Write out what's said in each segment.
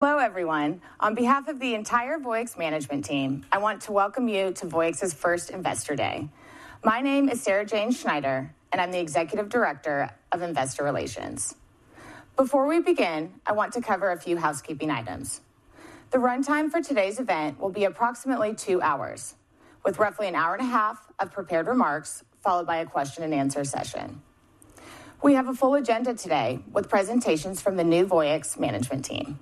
Hello, everyone. On behalf of the entire Voyix management team, I want to welcome you to Voyix's first Investor Day. My name is Sarah Jane Schneider, and I'm the Executive Director of Investor Relations. Before we begin, I want to cover a few housekeeping items. The runtime for today's event will be approximately two hours, with roughly an hour and a half of prepared remarks, followed by a question-and-answer session. We have a full agenda today with presentations from the new Voyix management team.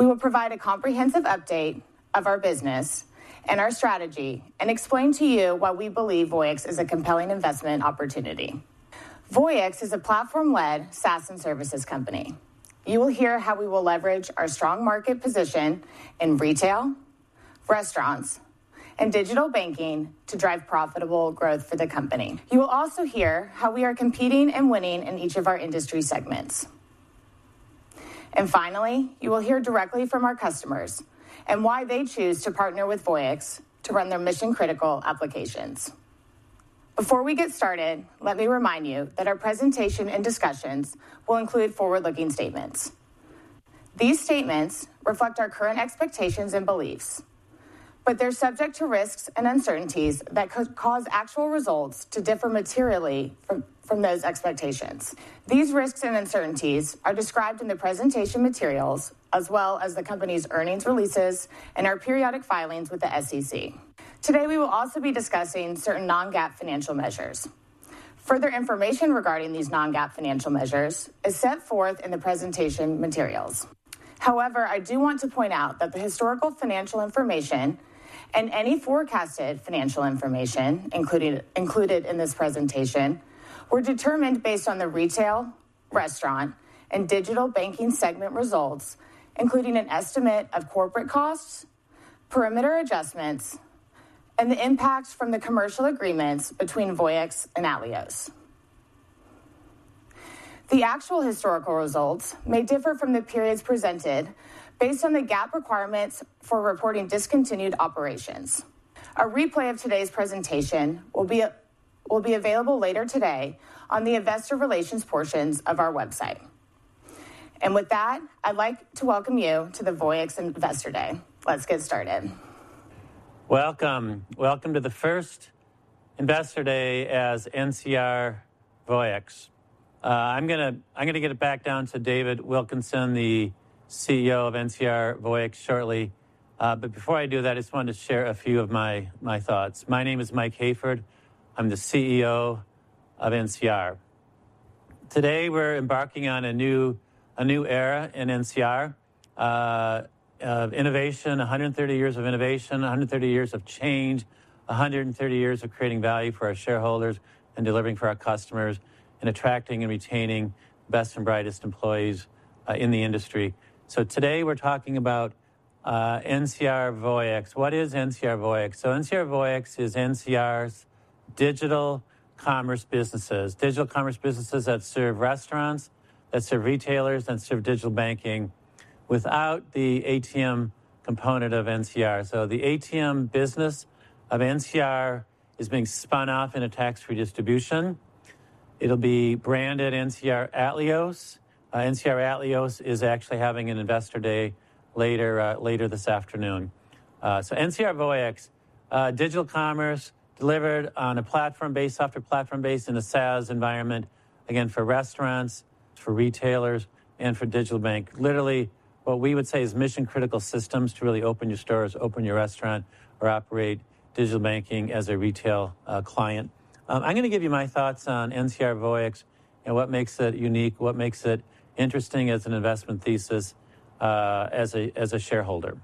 We will provide a comprehensive update of our business and our strategy and explain to you why we believe Voyix is a compelling investment opportunity. Voyix is a platform-led SaaS and services company. You will hear how we will leverage our strong market position in retail, restaurants, and digital banking to drive profitable growth for the company. You will also hear how we are competing and winning in each of our industry segments. And finally, you will hear directly from our customers and why they choose to partner with Voyix to run their mission-critical applications. Before we get started, let me remind you that our presentation and discussions will include forward-looking statements. These statements reflect our current expectations and beliefs, but they're subject to risks and uncertainties that could cause actual results to differ materially from those expectations. These risks and uncertainties are described in the presentation materials, as well as the company's earnings releases and our periodic filings with the SEC. Today, we will also be discussing certain non-GAAP financial measures. Further information regarding these non-GAAP financial measures is set forth in the presentation materials. However, I do want to point out that the historical financial information and any forecasted financial information included in this presentation were determined based on the retail, restaurant, and digital banking segment results, including an estimate of corporate costs, perimeter adjustments, and the impacts from the commercial agreements between Voyix and Atleos. The actual historical results may differ from the periods presented based on the GAAP requirements for reporting discontinued operations. A replay of today's presentation will be available later today on the investor relations portions of our website. And with that, I'd like to welcome you to the Voyix Investor Day. Let's get started. Welcome. Welcome to the first Investor Day as NCR Voyix. I'm gonna get it back down to David Wilkinson, the CEO of NCR Voyix, shortly. But before I do that, I just wanted to share a few of my thoughts. My name is Mike Hayford. I'm the CEO of NCR. Today, we're embarking on a new era in NCR of innovation, 130 years of innovation, 130 years of change, 130 years of creating value for our shareholders and delivering for our customers, and attracting and retaining the best and brightest employees in the industry. So today, we're talking about NCR Voyix. What is NCR Voyix? So NCR Voyix is NCR's digital commerce businesses. Digital commerce businesses that serve restaurants, that serve retailers, and serve digital banking without the ATM component of NCR. So the ATM business of NCR is being spun off in a tax-free distribution. It'll be branded NCR Atleos. NCR Atleos is actually having an Investor Day later this afternoon. So NCR Voyix, digital commerce delivered on a platform-based, software platform-based in a SaaS environment, again, for restaurants, for retailers, and for digital bank. Literally, what we would say is mission-critical systems to really open your stores, open your restaurant, or operate digital banking as a retail client. I'm gonna give you my thoughts on NCR Voyix and what makes it unique, what makes it interesting as an investment thesis, as a shareholder.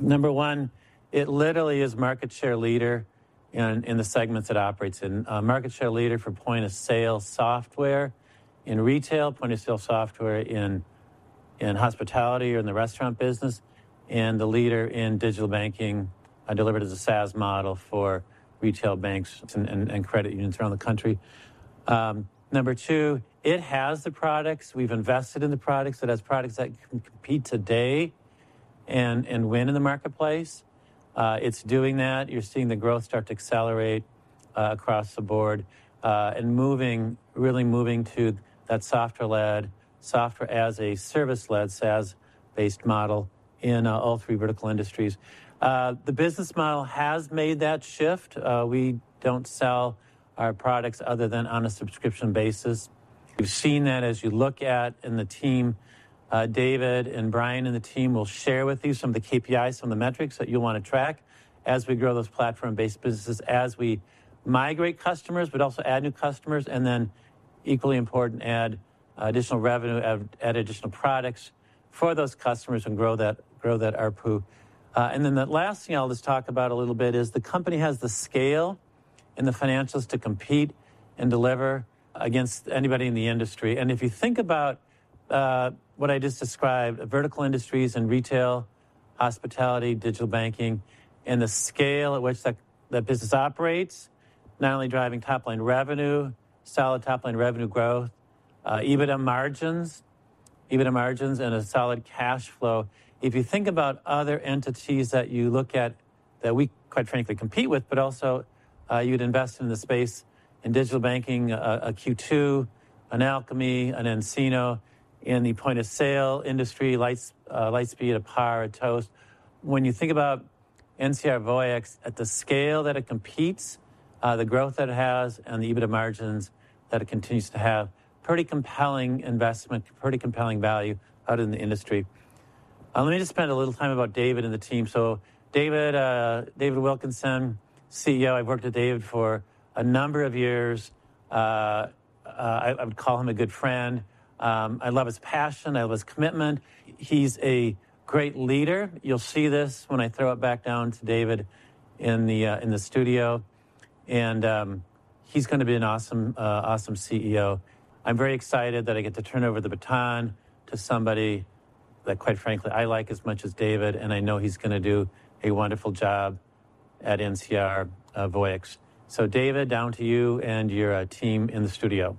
Number one, it literally is market share leader in the segments it operates in. Market share leader for point-of-sale software in retail, point-of-sale software in, in hospitality or in the restaurant business, and the leader in digital banking, delivered as a SaaS model for retail banks and, and, and credit unions around the country. Number two, it has the products. We've invested in the products. It has products that can compete today and win in the marketplace. It's doing that. You're seeing the growth start to accelerate, across the board, and moving, really moving to that software-led, software as a service-led, SaaS-based model in, all three vertical industries. The business model has made that shift. We don't sell our products other than on a subscription basis. We've seen that as you look at... And the team, David and Brian, and the team will share with you some of the KPIs, some of the metrics that you'll wanna track as we grow those platform-based businesses, as we migrate customers, but also add new customers, and then equally important, add additional revenue, add additional products for those customers and grow that, grow that ARPU. And then the last thing I'll just talk about a little bit is the company has the scale and the financials to compete and deliver against anybody in the industry. And if you think about what I just described, vertical industries and retail, hospitality, digital banking, and the scale at which that business operates, not only driving top-line revenue, solid top-line revenue growth, EBITDA margins, EBITDA margins, and a solid cash flow. If you think about other entities that you look at that we quite frankly compete with, but also you'd invest in the space in digital banking, a Q2, an Alkami, an nCino. In the point-of-sale industry, Lightspeed, a PAR, a Toast. When you think about NCR Voyix at the scale that it competes, the growth that it has, and the EBITDA margins that it continues to have, pretty compelling investment, pretty compelling value out in the industry. Let me just spend a little time about David and the team. So David Wilkinson, CEO, I've worked with David for a number of years. I would call him a good friend. I love his passion. I love his commitment. He's a great leader. You'll see this when I throw it back down to David in the studio, and he's gonna be an awesome awesome CEO. I'm very excited that I get to turn over the baton to somebody that, quite frankly, I like as much as David, and I know he's gonna do a wonderful job at NCR Voyix. So David, down to you and your team in the studio.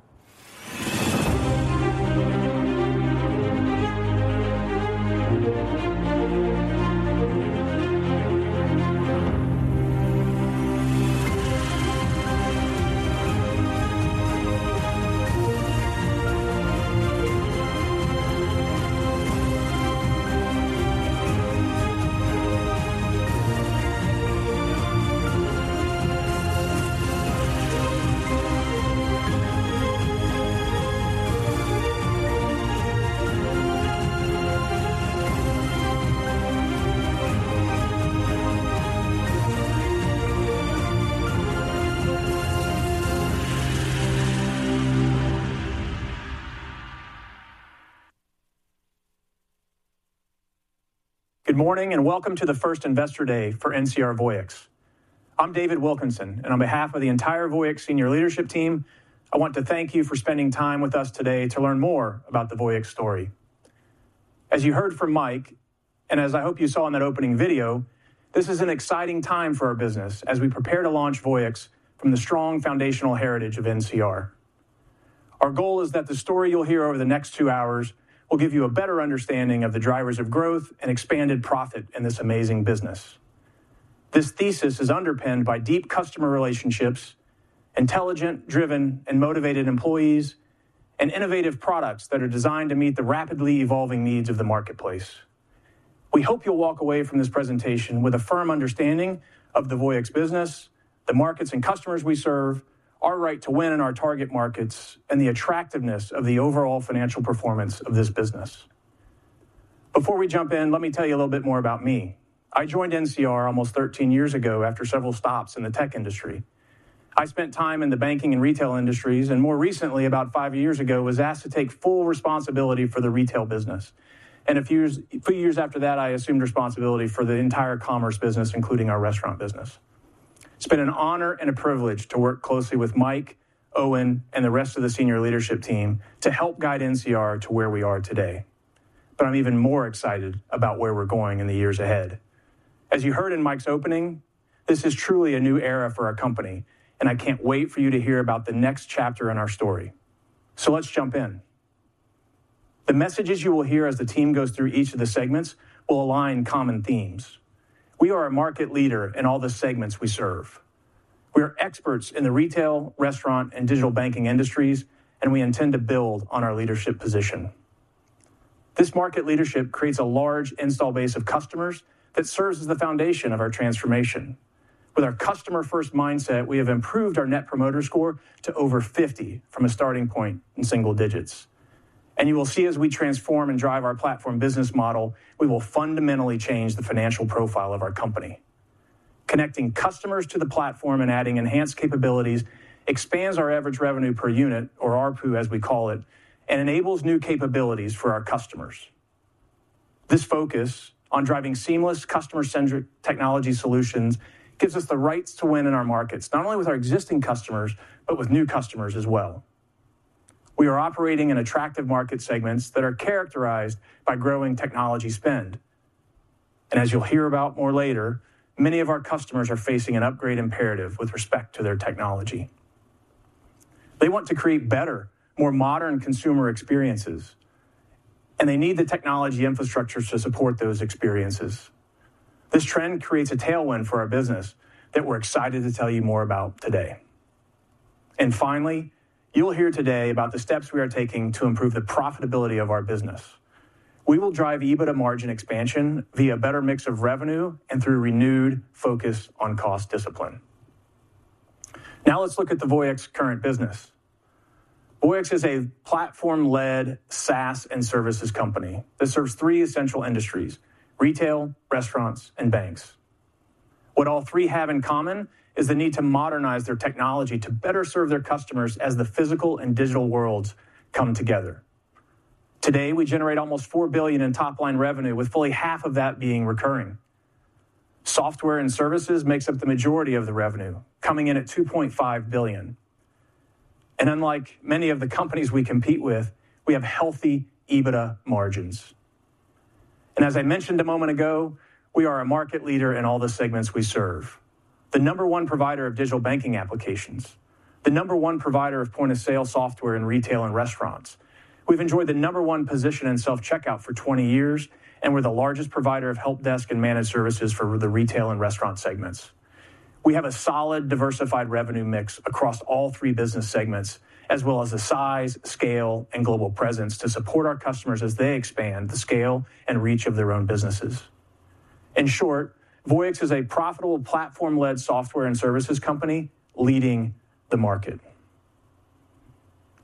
Good morning, and welcome to the first Investor Day for NCR Voyix. I'm David Wilkinson, and on behalf of the entire Voyix senior leadership team, I want to thank you for spending time with us today to learn more about the Voyix story. As you heard from Mike, and as I hope you saw in that opening video, this is an exciting time for our business as we prepare to launch Voyix from the strong foundational heritage of NCR. Our goal is that the story you'll hear over the next two hours will give you a better understanding of the drivers of growth and expanded profit in this amazing business. This thesis is underpinned by deep customer relationships, intelligent, driven, and motivated employees, and innovative products that are designed to meet the rapidly evolving needs of the marketplace. We hope you'll walk away from this presentation with a firm understanding of the Voyix business, the markets and customers we serve, our right to win in our target markets, and the attractiveness of the overall financial performance of this business. Before we jump in, let me tell you a little bit more about me. I joined NCR almost 13 years ago after several stops in the tech industry. I spent time in the banking and retail industries, and more recently, about 5 years ago, was asked to take full responsibility for the retail business. And a few years after that, I assumed responsibility for the entire commerce business, including our restaurant business. It's been an honor and a privilege to work closely with Mike, Owen, and the rest of the senior leadership team to help guide NCR to where we are today. But I'm even more excited about where we're going in the years ahead. As you heard in Mike's opening, this is truly a new era for our company, and I can't wait for you to hear about the next chapter in our story. Let's jump in. The messages you will hear as the team goes through each of the segments will align common themes. We are a market leader in all the segments we serve. We are experts in the retail, restaurant, and digital banking industries, and we intend to build on our leadership position. This market leadership creates a large install base of customers that serves as the foundation of our transformation. With our customer-first mindset, we have improved our net promoter score to over 50 from a starting point in single digits. You will see as we transform and drive our platform business model, we will fundamentally change the financial profile of our company. Connecting customers to the platform and adding enhanced capabilities expands our average revenue per unit, or ARPU as we call it, and enables new capabilities for our customers. This focus on driving seamless, customer-centric technology solutions gives us the rights to win in our markets, not only with our existing customers, but with new customers as well. We are operating in attractive market segments that are characterized by growing technology spend. As you'll hear about more later, many of our customers are facing an upgrade imperative with respect to their technology. They want to create better, more modern consumer experiences, and they need the technology infrastructures to support those experiences. This trend creates a tailwind for our business that we're excited to tell you more about today. Finally, you will hear today about the steps we are taking to improve the profitability of our business. We will drive EBITDA margin expansion via better mix of revenue and through renewed focus on cost discipline. Now let's look at the Voyix current business. Voyix is a platform-led SaaS and services company that serves three essential industries: retail, restaurants, and banks. What all three have in common is the need to modernize their technology to better serve their customers as the physical and digital worlds come together. Today, we generate almost $4 billion in top-line revenue, with fully half of that being recurring. Software and services makes up the majority of the revenue, coming in at $2.5 billion. And unlike many of the companies we compete with, we have healthy EBITDA margins. And as I mentioned a moment ago, we are a market leader in all the segments we serve. The number one provider of digital banking applications…. The number one provider of point-of-sale software in retail and restaurants. We've enjoyed the number one position in self-checkout for 20 years, and we're the largest provider of help desk and managed services for the retail and restaurant segments. We have a solid, diversified revenue mix across all three business segments, as well as the size, scale, and global presence to support our customers as they expand the scale and reach of their own businesses. In short, Voyix is a profitable platform-led software and services company leading the market.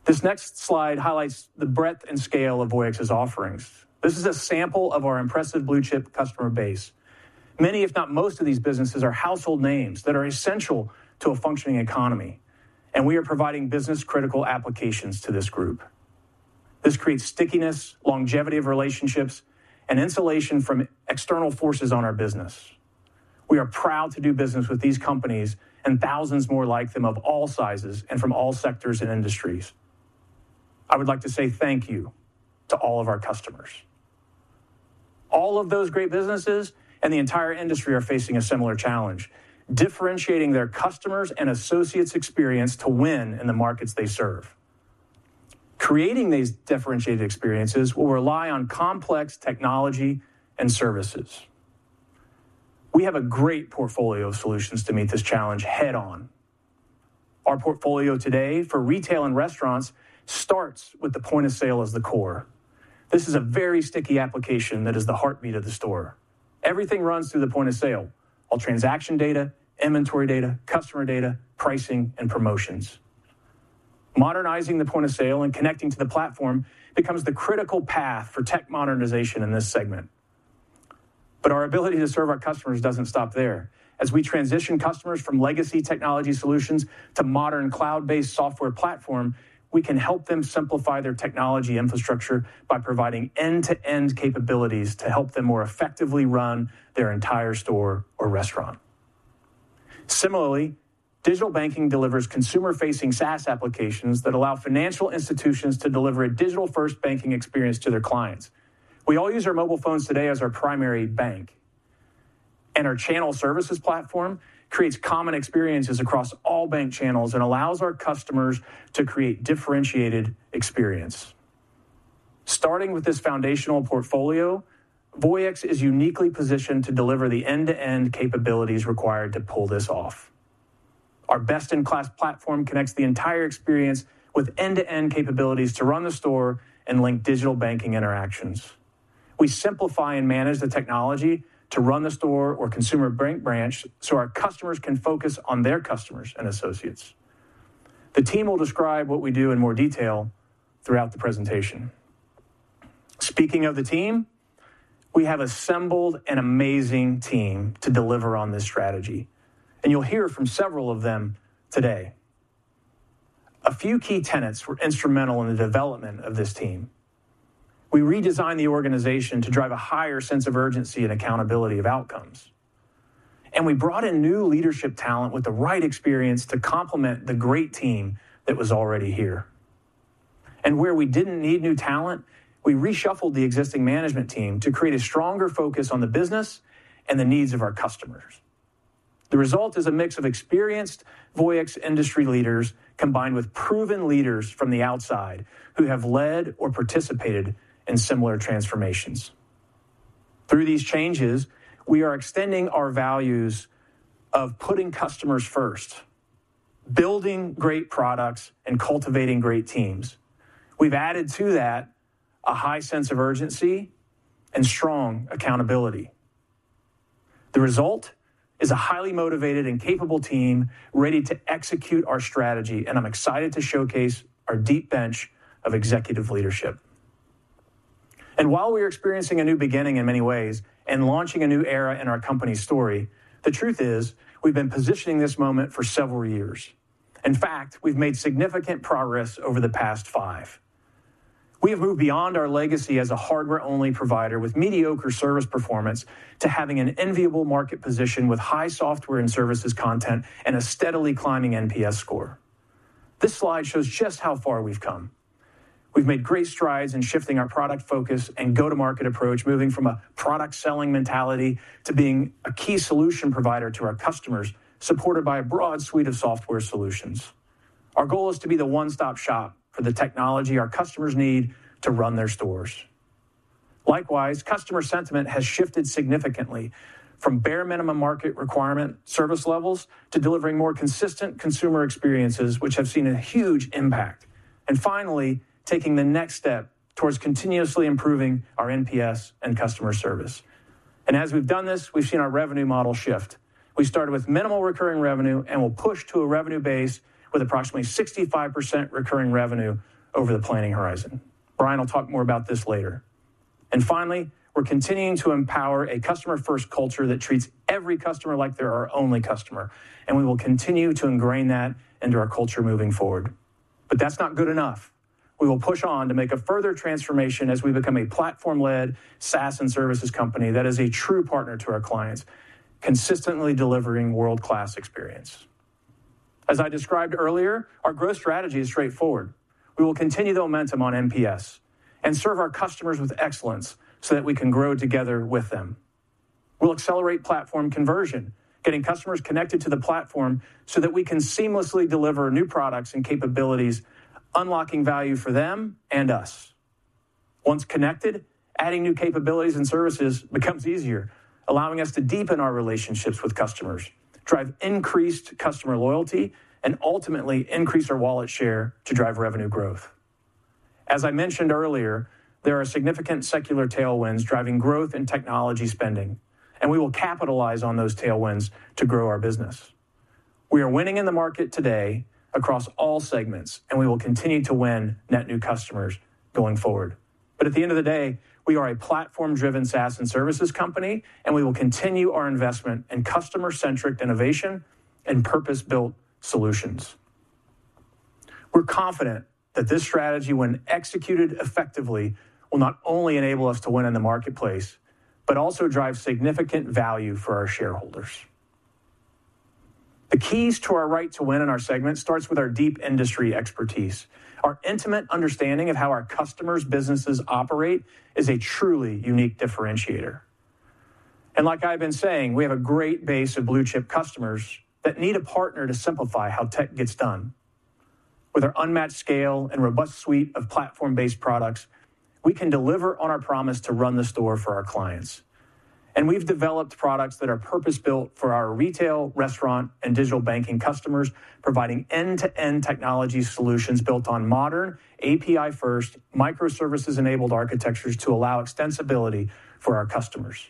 This next slide highlights the breadth and scale of Voyix's offerings. This is a sample of our impressive blue-chip customer base. Many, if not most of these businesses are household names that are essential to a functioning economy, and we are providing business-critical applications to this group. This creates stickiness, longevity of relationships, and insulation from external forces on our business. We are proud to do business with these companies and thousands more like them, of all sizes and from all sectors and industries. I would like to say thank you to all of our customers. All of those great businesses and the entire industry are facing a similar challenge: differentiating their customers' and associates' experience to win in the markets they serve. Creating these differentiated experiences will rely on complex technology and services. We have a great portfolio of solutions to meet this challenge head-on. Our portfolio today for retail and restaurants starts with the point of sale as the core. This is a very sticky application that is the heartbeat of the store. Everything runs through the point of sale: all transaction data, inventory data, customer data, pricing, and promotions. Modernizing the point of sale and connecting to the platform becomes the critical path for tech modernization in this segment. But our ability to serve our customers doesn't stop there. As we transition customers from legacy technology solutions to modern cloud-based software platform, we can help them simplify their technology infrastructure by providing end-to-end capabilities to help them more effectively run their entire store or restaurant. Similarly, Digital Banking delivers consumer-facing SaaS applications that allow financial institutions to deliver a Digital-First Banking experience to their clients. We all use our mobile phones today as our primary bank, and our Channel Services Platform creates common experiences across all bank channels and allows our customers to create differentiated experience. Starting with this foundational portfolio, Voyix is uniquely positioned to deliver the end-to-end capabilities required to pull this off. Our best-in-class platform connects the entire experience with end-to-end capabilities to run the store and link digital banking interactions. We simplify and manage the technology to run the store or consumer bank branch, so our customers can focus on their customers and associates. The team will describe what we do in more detail throughout the presentation. Speaking of the team, we have assembled an amazing team to deliver on this strategy, and you'll hear from several of them today. A few key tenets were instrumental in the development of this team. We redesigned the organization to drive a higher sense of urgency and accountability of outcomes, and we brought in new leadership talent with the right experience to complement the great team that was already here. And where we didn't need new talent, we reshuffled the existing management team to create a stronger focus on the business and the needs of our customers. The result is a mix of experienced Voyix industry leaders, combined with proven leaders from the outside who have led or participated in similar transformations. Through these changes, we are extending our values of putting customers first, building great products, and cultivating great teams. We've added to that a high sense of urgency and strong accountability. The result is a highly motivated and capable team ready to execute our strategy, and I'm excited to showcase our deep bench of executive leadership. And while we are experiencing a new beginning in many ways and launching a new era in our company's story, the truth is we've been positioning this moment for several years. In fact, we've made significant progress over the past five. We have moved beyond our legacy as a hardware-only provider with mediocre service performance to having an enviable market position with high software and services content and a steadily climbing NPS score. This slide shows just how far we've come. We've made great strides in shifting our product focus and go-to-market approach, moving from a product-selling mentality to being a key solution provider to our customers, supported by a broad suite of software solutions. Our goal is to be the one-stop shop for the technology our customers need to run their stores. Likewise, customer sentiment has shifted significantly from bare minimum market requirement service levels to delivering more consistent consumer experiences, which have seen a huge impact, and finally, taking the next step towards continuously improving our NPS and customer service. As we've done this, we've seen our revenue model shift. We started with minimal recurring revenue and will push to a revenue base with approximately 65% recurring revenue over the planning horizon. Brian will talk more about this later. Finally, we're continuing to emPAR a customer-first culture that treats every customer like they're our only customer, and we will continue to ingrain that into our culture moving forward. But that's not good enough. We will push on to make a further transformation as we become a platform-led SaaS and services company that is a true partner to our clients, consistently delivering world-class experience. As I described earlier, our growth strategy is straightforward. We will continue the momentum on NPS and serve our customers with excellence so that we can grow together with them. We'll accelerate platform conversion, getting customers connected to the platform so that we can seamlessly deliver new products and capabilities, unlocking value for them and us. Once connected, adding new capabilities and services becomes easier, allowing us to deepen our relationships with customers, drive increased customer loyalty, and ultimately increase our wallet share to drive revenue growth. As I mentioned earlier, there are significant secular tailwinds driving growth in technology spending, and we will capitalize on those tailwinds to grow our business. We are winning in the market today across all segments, and we will continue to win net new customers going forward. But at the end of the day, we are a platform-driven SaaS and services company, and we will continue our investment in customer-centric innovation and purpose-built solutions. We're confident that this strategy, when executed effectively, will not only enable us to win in the marketplace, but also drive significant value for our shareholders. The keys to our right to win in our segment starts with our deep industry expertise. Our intimate understanding of how our customers' businesses operate is a truly unique differentiator. And like I've been saying, we have a great base of blue-chip customers that need a partner to simplify how tech gets done. With our unmatched scale and robust suite of platform-based products, we can deliver on our promise to run the store for our clients. And we've developed products that are purpose-built for our retail, restaurant, and digital banking customers, providing end-to-end technology solutions built on modern, API-first, microservices-enabled architectures to allow extensibility for our customers.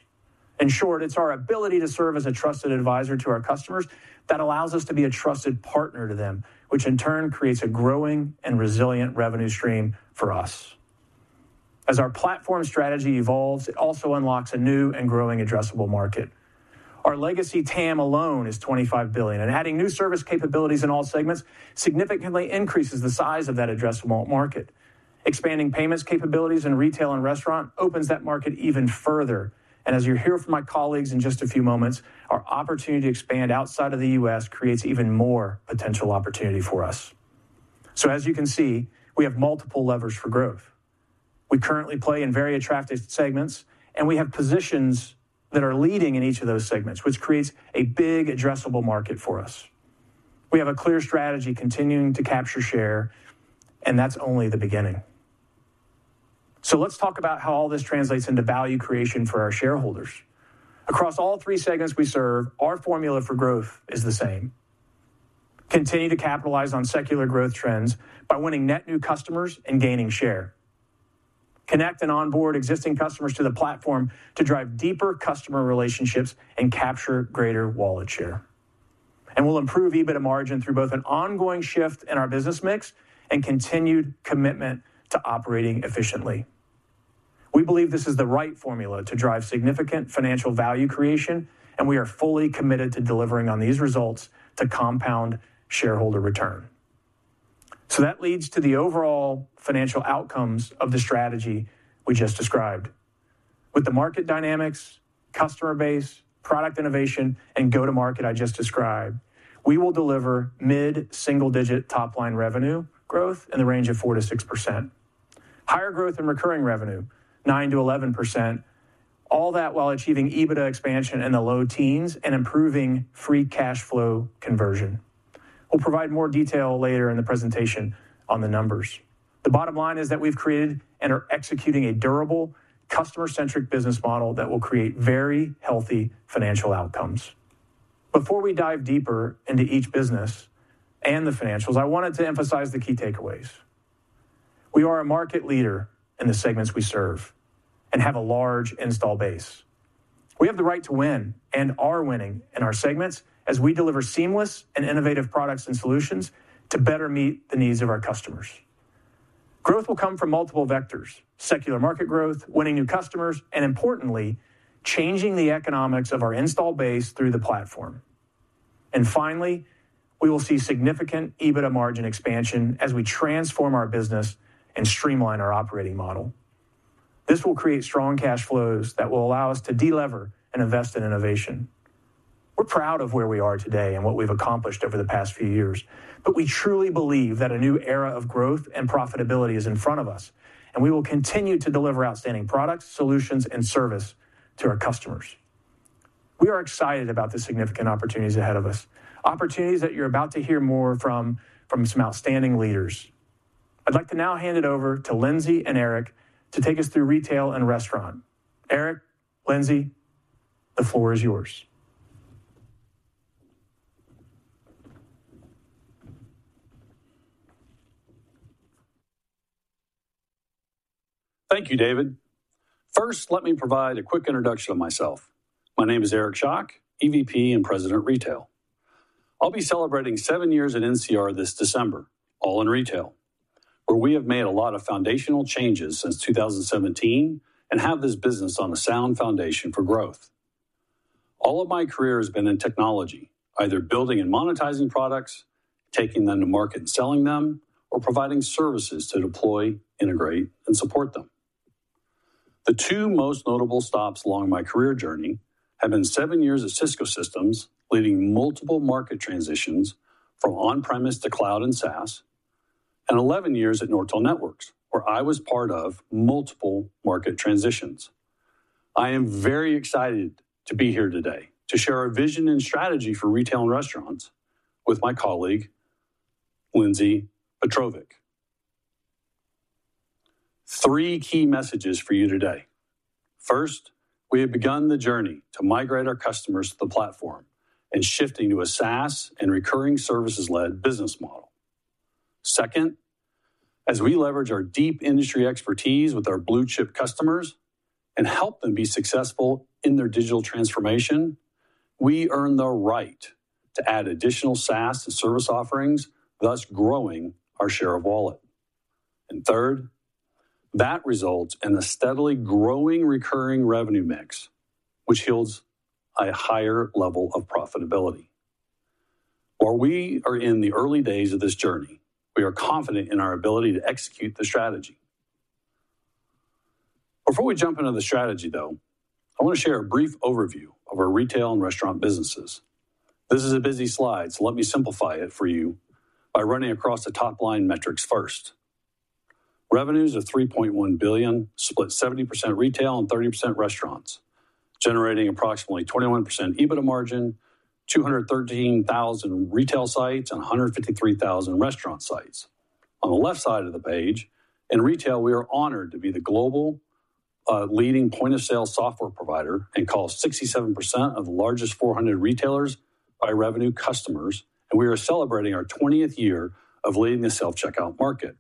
In short, it's our ability to serve as a trusted advisor to our customers that allows us to be a trusted partner to them, which in turn creates a growing and resilient revenue stream for us. As our platform strategy evolves, it also unlocks a new and growing addressable market. Our legacy TAM alone is $25 billion, and adding new service capabilities in all segments significantly increases the size of that addressable market. Expanding payments capabilities in retail and restaurant opens that market even further. And as you'll hear from my colleagues in just a few moments, our opportunity to expand outside of the U.S. creates even more potential opportunity for us. So as you can see, we have multiple levers for growth. We currently play in very attractive segments, and we have positions that are leading in each of those segments, which creates a big addressable market for us. We have a clear strategy continuing to capture share, and that's only the beginning. So let's talk about how all this translates into value creation for our shareholders. Across all three segments we serve, our formula for growth is the same: continue to capitalize on secular growth trends by winning net new customers and gaining share, connect and onboard existing customers to the platform to drive deeper customer relationships and capture greater wallet share. And we'll improve EBITDA margin through both an ongoing shift in our business mix and continued commitment to operating efficiently. We believe this is the right formula to drive significant financial value creation, and we are fully committed to delivering on these results to compound shareholder return. So that leads to the overall financial outcomes of the strategy we just described. With the market dynamics, customer base, product innovation, and go-to-market I just described, we will deliver mid-single-digit top-line revenue growth in the range of 4%-6%, higher growth in recurring revenue, 9%-11%, all that while achieving EBITDA expansion in the low teens and improving free cash flow conversion. We'll provide more detail later in the presentation on the numbers. The bottom line is that we've created and are executing a durable, customer-centric business model that will create very healthy financial outcomes. Before we dive deeper into each business and the financials, I wanted to emphasize the key takeaways. We are a market leader in the segments we serve and have a large install base. We have the right to win and are winning in our segments as we deliver seamless and innovative products and solutions to better meet the needs of our customers. Growth will come from multiple vectors: secular market growth, winning new customers, and importantly, changing the economics of our installed base through the platform. And finally, we will see significant EBITDA margin expansion as we transform our business and streamline our operating model. This will create strong cash flows that will allow us to de-lever and invest in innovation. We're proud of where we are today and what we've accomplished over the past few years, but we truly believe that a new era of growth and profitability is in front of us, and we will continue to deliver outstanding products, solutions, and service to our customers. We are excited about the significant opportunities ahead of us, opportunities that you're about to hear more from, from some outstanding leaders. I'd like to now hand it over to Lindsay and Eric to take us through retail and restaurant. Eric, Lindsay, the floor is yours. Thank you, David. First, let me provide a quick introduction of myself. My name is Eric Schoch, EVP and President, Retail. I'll be celebrating 7 years at NCR this December, all in retail, where we have made a lot of foundational changes since 2017 and have this business on a sound foundation for growth. All of my career has been in technology, either building and monetizing products, taking them to market and selling them, or providing services to deploy, integrate, and support them. The two most notable stops along my career journey have been 7 years at Cisco Systems, leading multiple market transitions from on-premise to cloud and SaaS... and 11 years at Nortel Networks, where I was part of multiple market transitions. I am very excited to be here today to share our vision and strategy for retail and restaurants with my colleague, Lindsay Petrovic. Three key messages for you today. First, we have begun the journey to migrate our customers to the platform and shifting to a SaaS and recurring services-led business model. Second, as we leverage our deep industry expertise with our blue-chip customers and help them be successful in their digital transformation, we earn the right to add additional SaaS and service offerings, thus growing our share of wallet. And third, that results in a steadily growing recurring revenue mix, which yields a higher level of profitability. While we are in the early days of this journey, we are confident in our ability to execute the strategy. Before we jump into the strategy, though, I want to share a brief overview of our retail and restaurant businesses. This is a busy slide, so let me simplify it for you by running across the top-line metrics first. Revenues are $3.1 billion, split 70% retail and 30% restaurants, generating approximately 21% EBITDA margin, 213,000 retail sites, and 153,000 restaurant sites. On the left side of the page, in retail, we are honored to be the global leading point-of-sale software provider and call 67% of the largest 400 retailers by revenue customers, and we are celebrating our 20th year of leading the self-checkout market.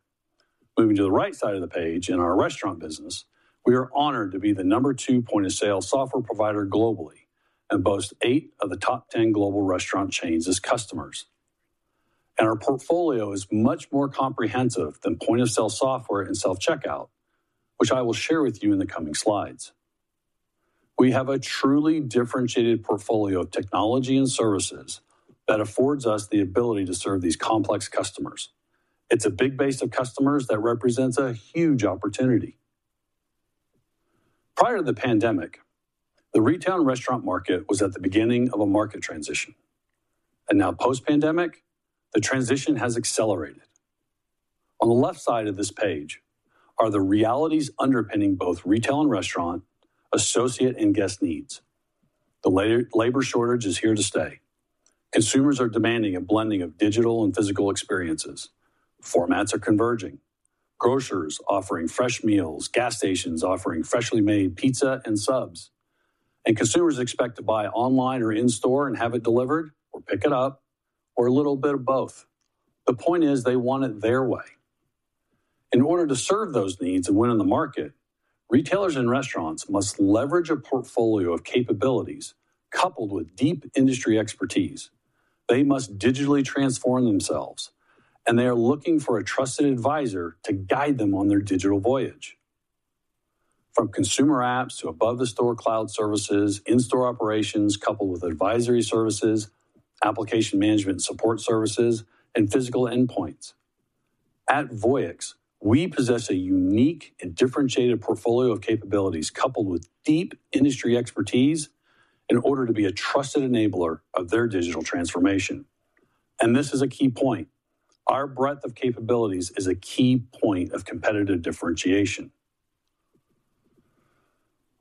Moving to the right side of the page, in our restaurant business, we are honored to be the number two point-of-sale software provider globally and boast 8 of the top 10 global restaurant chains as customers. Our portfolio is much more comprehensive than point-of-sale software and self-checkout, which I will share with you in the coming slides. We have a truly differentiated portfolio of technology and services that affords us the ability to serve these complex customers. It's a big base of customers that represents a huge opportunity. Prior to the pandemic, the retail and restaurant market was at the beginning of a market transition, and now post-pandemic, the transition has accelerated. On the left side of this page are the realities underpinning both retail and restaurant, associate, and guest needs. The labor shortage is here to stay. Consumers are demanding a blending of digital and physical experiences. Formats are converging, grocers offering fresh meals, gas stations offering freshly made pizza and subs, and consumers expect to buy online or in-store and have it delivered or pick it up, or a little bit of both. The point is, they want it their way. In order to serve those needs and win in the market, retailers and restaurants must leverage a portfolio of capabilities coupled with deep industry expertise. They must digitally transform themselves, and they are looking for a trusted advisor to guide them on their digital voyage. From consumer apps to above-the-store cloud services, in-store operations, coupled with advisory services, application management and support services, and physical endpoints. At Voyix, we possess a unique and differentiated portfolio of capabilities, coupled with deep industry expertise, in order to be a trusted enabler of their digital transformation. This is a key point. Our breadth of capabilities is a key point of competitive differentiation.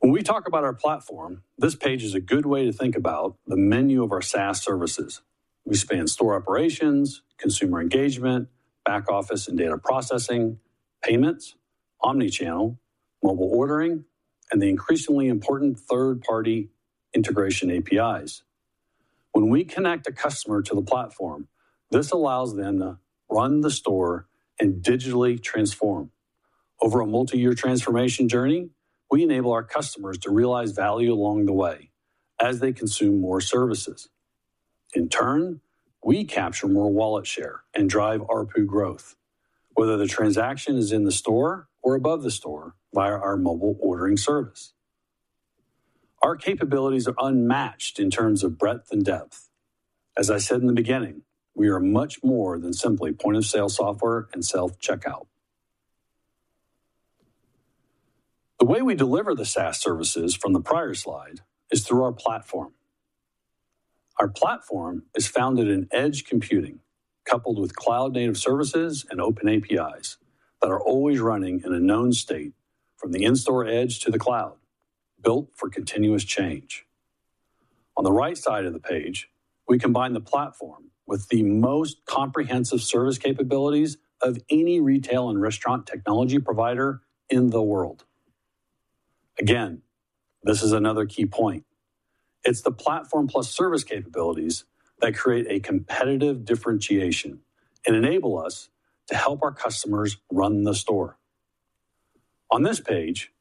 When we talk about our platform, this page is a good way to think about the menu of our SaaS services. We span store operations, consumer engagement, back office and data processing, payments, omni-channel, mobile ordering, and the increasingly important third-party integration APIs. When we connect a customer to the platform, this allows them to run the store and digitally transform. Over a multi-year transformation journey, we enable our customers to realize value along the way as they consume more services. In turn, we capture more wallet share and drive ARPU growth, whether the transaction is in the store or above the store via our mobile ordering service. Our capabilities are unmatched in terms of breadth and depth. As I said in the beginning, we are much more than simply point-of-sale software and self-checkout. The way we deliver the SaaS services from the prior slide is through our platform. Our platform is founded in edge computing, coupled with cloud-native services and open APIs that are always running in a known state from the in-store edge to the cloud, built for continuous change. On the right side of the page, we combine the platform with the most comprehensive service capabilities of any retail and restaurant technology provider in the world. Again, this is another key point. It's the platform plus service capabilities that create a competitive differentiation and enable us to help our customers run the store. On this page,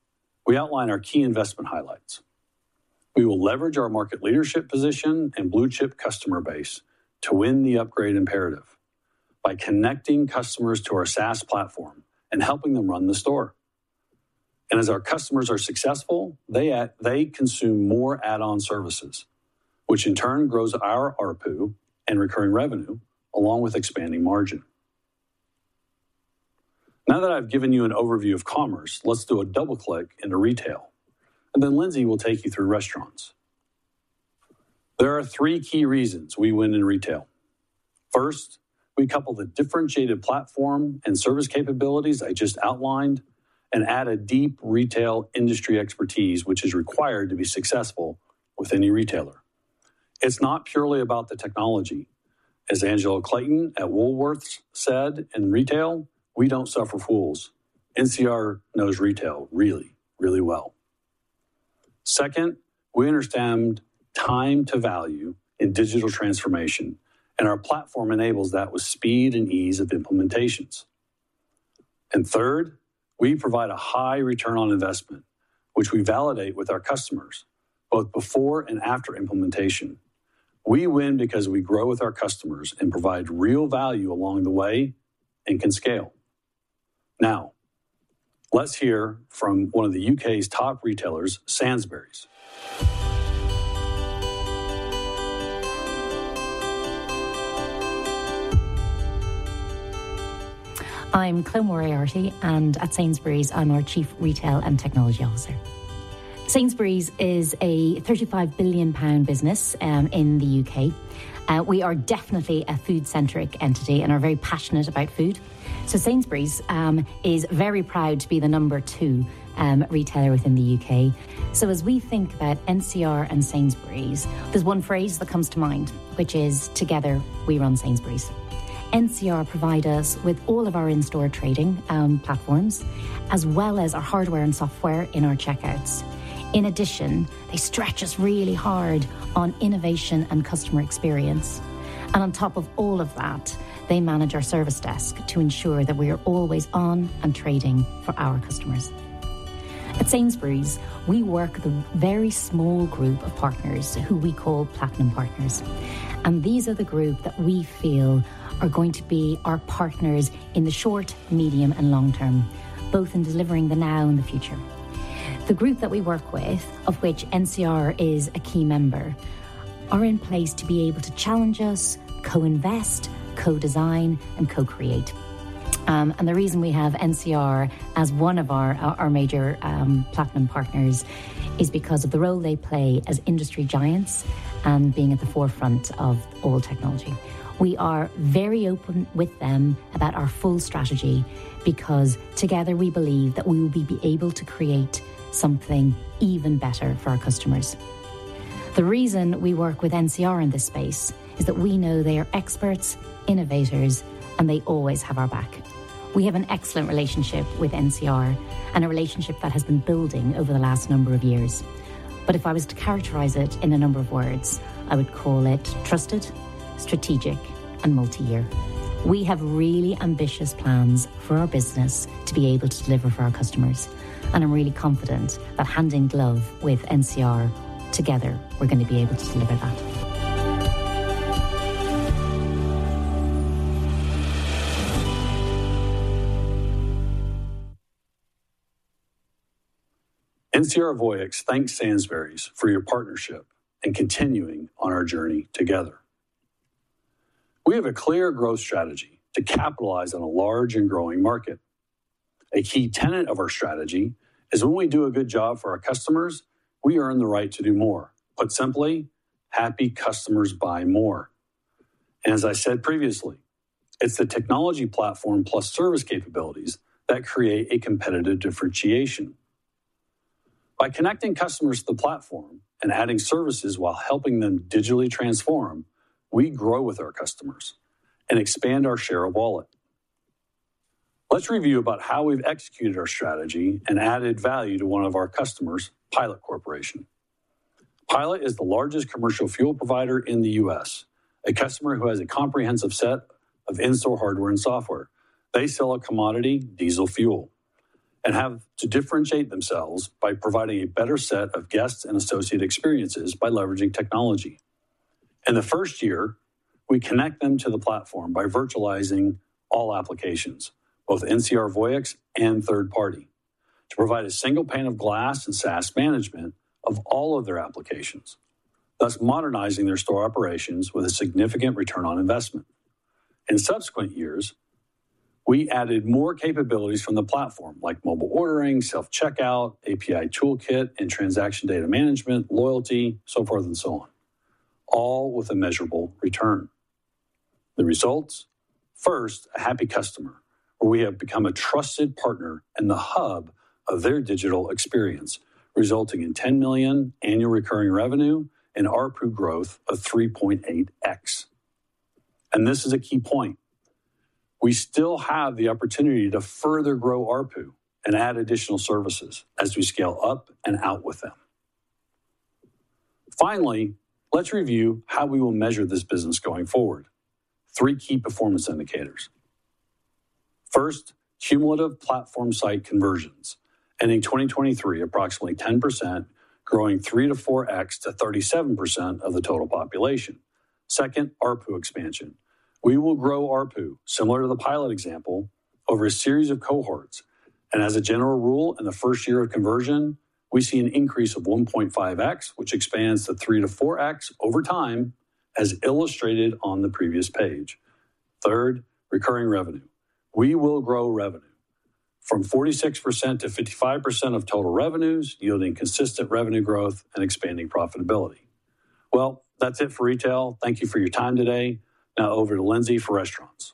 we outline our key investment highlights. We will leverage our market leadership position and blue-chip customer base to win the upgrade imperative by connecting customers to our SaaS platform and helping them run the store. As our customers are successful, they consume more add-on services, which in turn grows our ARPU and recurring revenue, along with expanding margin. Now that I've given you an overview of commerce, let's do a double-click into retail, and then Lindsay will take you through restaurants. There are three key reasons we win in retail. First, we couple the differentiated platform and service capabilities I just outlined and add a deep retail industry expertise, which is required to be successful with any retailer. It's not purely about the technology. As Angela Clayton at Woolworths said, "In retail, we don't suffer fools." NCR knows retail really, really well. Second, we understand time to value in digital transformation, and our platform enables that with speed and ease of implementations. And third, we provide a high return on investment, which we validate with our customers, both before and after implementation. We win because we grow with our customers and provide real value along the way and can scale. Now, let's hear from one of the U.K.'s top retailers, Sainsbury's. I'm Clodagh Moriarty, and at Sainsbury's, I'm our Chief Retail and Technology Officer. Sainsbury's is a 35 billion pound business in the UK. We are definitely a food-centric entity and are very passionate about food. So Sainsbury's is very proud to be the number two retailer within the UK. So as we think about NCR and Sainsbury's, there's one phrase that comes to mind, which is, together, we run Sainsbury's. NCR provide us with all of our in-store trading platforms, as well as our hardware and software in our checkouts. In addition, they stretch us really hard on innovation and customer experience, and on top of all of that, they manage our service desk to ensure that we are always on and trading for our customers. At Sainsbury's, we work with a very small group of partners who we call platinum partners, and these are the group that we feel are going to be our partners in the short, medium, and long term, both in delivering the now and the future. The group that we work with, of which NCR is a key member, are in place to be able to challenge us, co-invest, co-design, and co-create. And the reason we have NCR as one of our, our major, platinum partners is because of the role they play as industry giants and being at the forefront of all technology. We are very open with them about our full strategy because together we believe that we will be able to create something even better for our customers. The reason we work with NCR in this space is that we know they are experts, innovators, and they always have our back. We have an excellent relationship with NCR and a relationship that has been building over the last number of years. But if I was to characterize it in a number of words, I would call it trusted, strategic, and multi-year. We have really ambitious plans for our business to be able to deliver for our customers, and I'm really confident that hand in glove with NCR, together, we're going to be able to deliver that. NCR Voyix thanks Sainsbury's for your partnership and continuing on our journey together. We have a clear growth strategy to capitalize on a large and growing market. A key tenet of our strategy is when we do a good job for our customers, we earn the right to do more. Put simply, happy customers buy more. As I said previously, it's the technology platform plus service capabilities that create a competitive differentiation. By connecting customers to the platform and adding services while helping them digitally transform, we grow with our customers and expand our share of wallet. Let's review about how we've executed our strategy and added value to one of our customers, Pilot Corporation. Pilot is the largest commercial fuel provider in the U.S., a customer who has a comprehensive set of in-store hardware and software. They sell a commodity, diesel fuel, and have to differentiate themselves by providing a better set of guests and associate experiences by leveraging technology. In the first year, we connect them to the platform by virtualizing all applications, both NCR Voyix and third party, to provide a single pane of glass and SaaS management of all of their applications, thus modernizing their store operations with a significant return on investment. In subsequent years, we added more capabilities from the platform, like mobile ordering, self-checkout, API toolkit, and transaction data management, loyalty, so forth and so on, all with a measurable return. The results? First, a happy customer, where we have become a trusted partner and the hub of their digital experience, resulting in $10 million annual recurring revenue and ARPU growth of 3.8x. And this is a key point. We still have the opportunity to further grow ARPU and add additional services as we scale up and out with them. Finally, let's review how we will measure this business going forward. Three key performance indicators. First, cumulative platform site conversions, ending in 2023, approximately 10%, growing 3-4x to 37% of the total population. Second, ARPU expansion. We will grow ARPU, similar to the Pilot example, over a series of cohorts, and as a general rule, in the first year of conversion, we see an increase of 1.5x, which expands to 3-4x over time, as illustrated on the previous page. Third, recurring revenue. We will grow revenue... from 46% to 55% of total revenues, yielding consistent revenue growth and expanding profitability. Well, that's it for retail. Thank you for your time today. Now over to Lindsay for restaurants.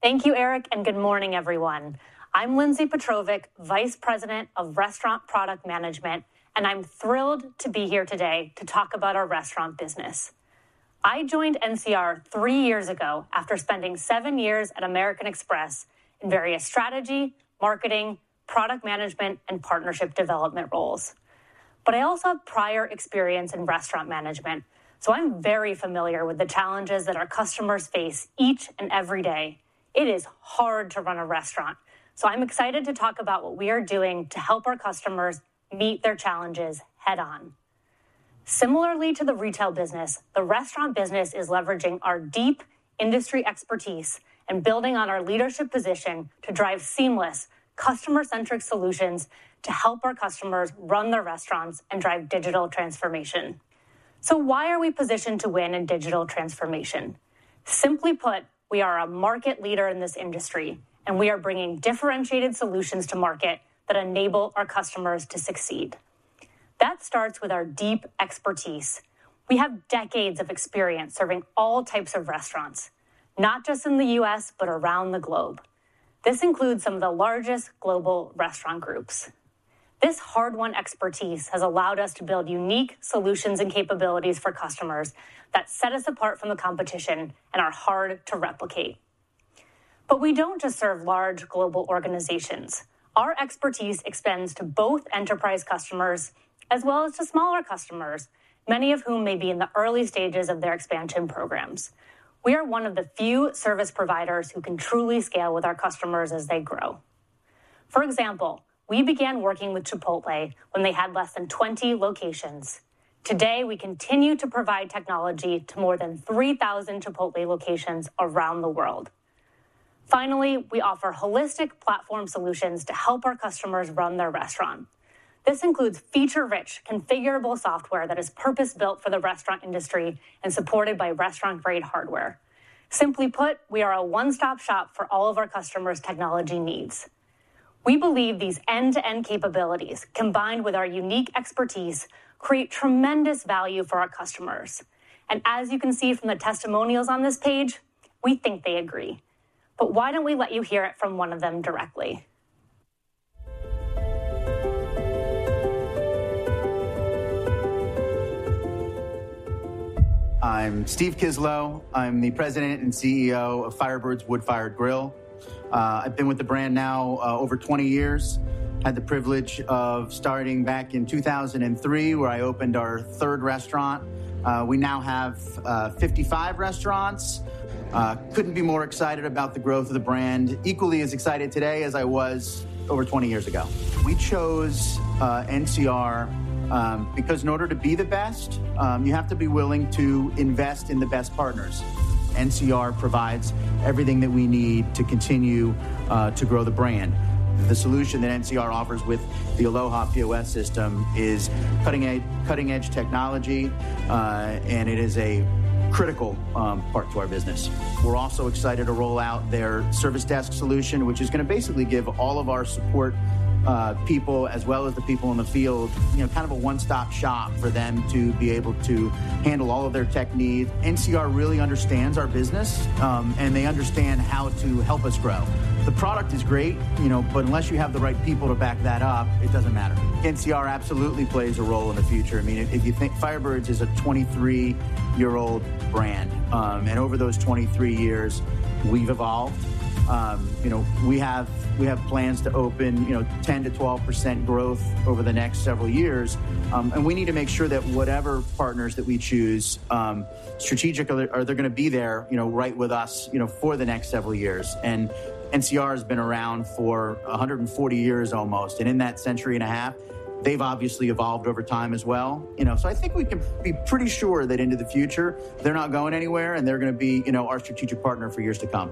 Thank you, Eric, and good morning, everyone. I'm Lindsay Petrovic, Vice President of Restaurant Product Management, and I'm thrilled to be here today to talk about our restaurant business. I joined NCR three years ago after spending seven years at American Express in various strategy, marketing, product management, and partnership development roles. But I also have prior experience in restaurant management, so I'm very familiar with the challenges that our customers face each and every day. It is hard to run a restaurant, so I'm excited to talk about what we are doing to help our customers meet their challenges head-on. Similarly to the retail business, the restaurant business is leveraging our deep industry expertise and building on our leadership position to drive seamless, customer-centric solutions to help our customers run their restaurants and drive digital transformation. So why are we positioned to win in digital transformation? Simply put, we are a market leader in this industry, and we are bringing differentiated solutions to market that enable our customers to succeed. That starts with our deep expertise. We have decades of experience serving all types of restaurants, not just in the U.S., but around the globe. This includes some of the largest global restaurant groups. This hard-won expertise has allowed us to build unique solutions and capabilities for customers that set us apart from the competition and are hard to replicate. But we don't just serve large global organizations. Our expertise extends to both enterprise customers as well as to smaller customers, many of whom may be in the early stages of their expansion programs. We are one of the few service providers who can truly scale with our customers as they grow. For example, we began working with Chipotle when they had less than 20 locations. Today, we continue to provide technology to more than 3,000 Chipotle locations around the world. Finally, we offer holistic platform solutions to help our customers run their restaurant. This includes feature-rich, configurable software that is purpose-built for the restaurant industry and supported by restaurant-grade hardware. Simply put, we are a one-stop shop for all of our customers' technology needs. We believe these end-to-end capabilities, combined with our unique expertise, create tremendous value for our customers, and as you can see from the testimonials on this page, we think they agree. But why don't we let you hear it from one of them directly? I'm Steve Kislow. I'm the President and CEO of Firebirds Wood Fired Grill. I've been with the brand now, over 20 years. Had the privilege of starting back in 2003, where I opened our third restaurant. We now have 55 restaurants. Couldn't be more excited about the growth of the brand, equally as excited today as I was over 20 years ago. We chose NCR because in order to be the best, you have to be willing to invest in the best partners. NCR provides everything that we need to continue to grow the brand. The solution that NCR offers with the Aloha POS system is cutting edge, cutting-edge technology, and it is a critical part to our business. We're also excited to roll out their service desk solution, which is gonna basically give all of our support people, as well as the people in the field, you know, kind of a one-stop shop for them to be able to handle all of their tech needs. NCR really understands our business, and they understand how to help us grow. The product is great, you know, but unless you have the right people to back that up, it doesn't matter. NCR absolutely plays a role in the future. I mean, if you think Firebirds is a 23-year-old brand, and over those 23 years, we've evolved. You know, we have plans to open 10%-12% growth over the next several years, and we need to make sure that whatever partners that we choose strategically are they're gonna be there, you know, right with us, you know, for the next several years. NCR has been around for 140 years almost, and in that century and a half, they've obviously evolved over time as well. You know, so I think we can be pretty sure that into the future, they're not going anywhere, and they're gonna be, you know, our strategic partner for years to come.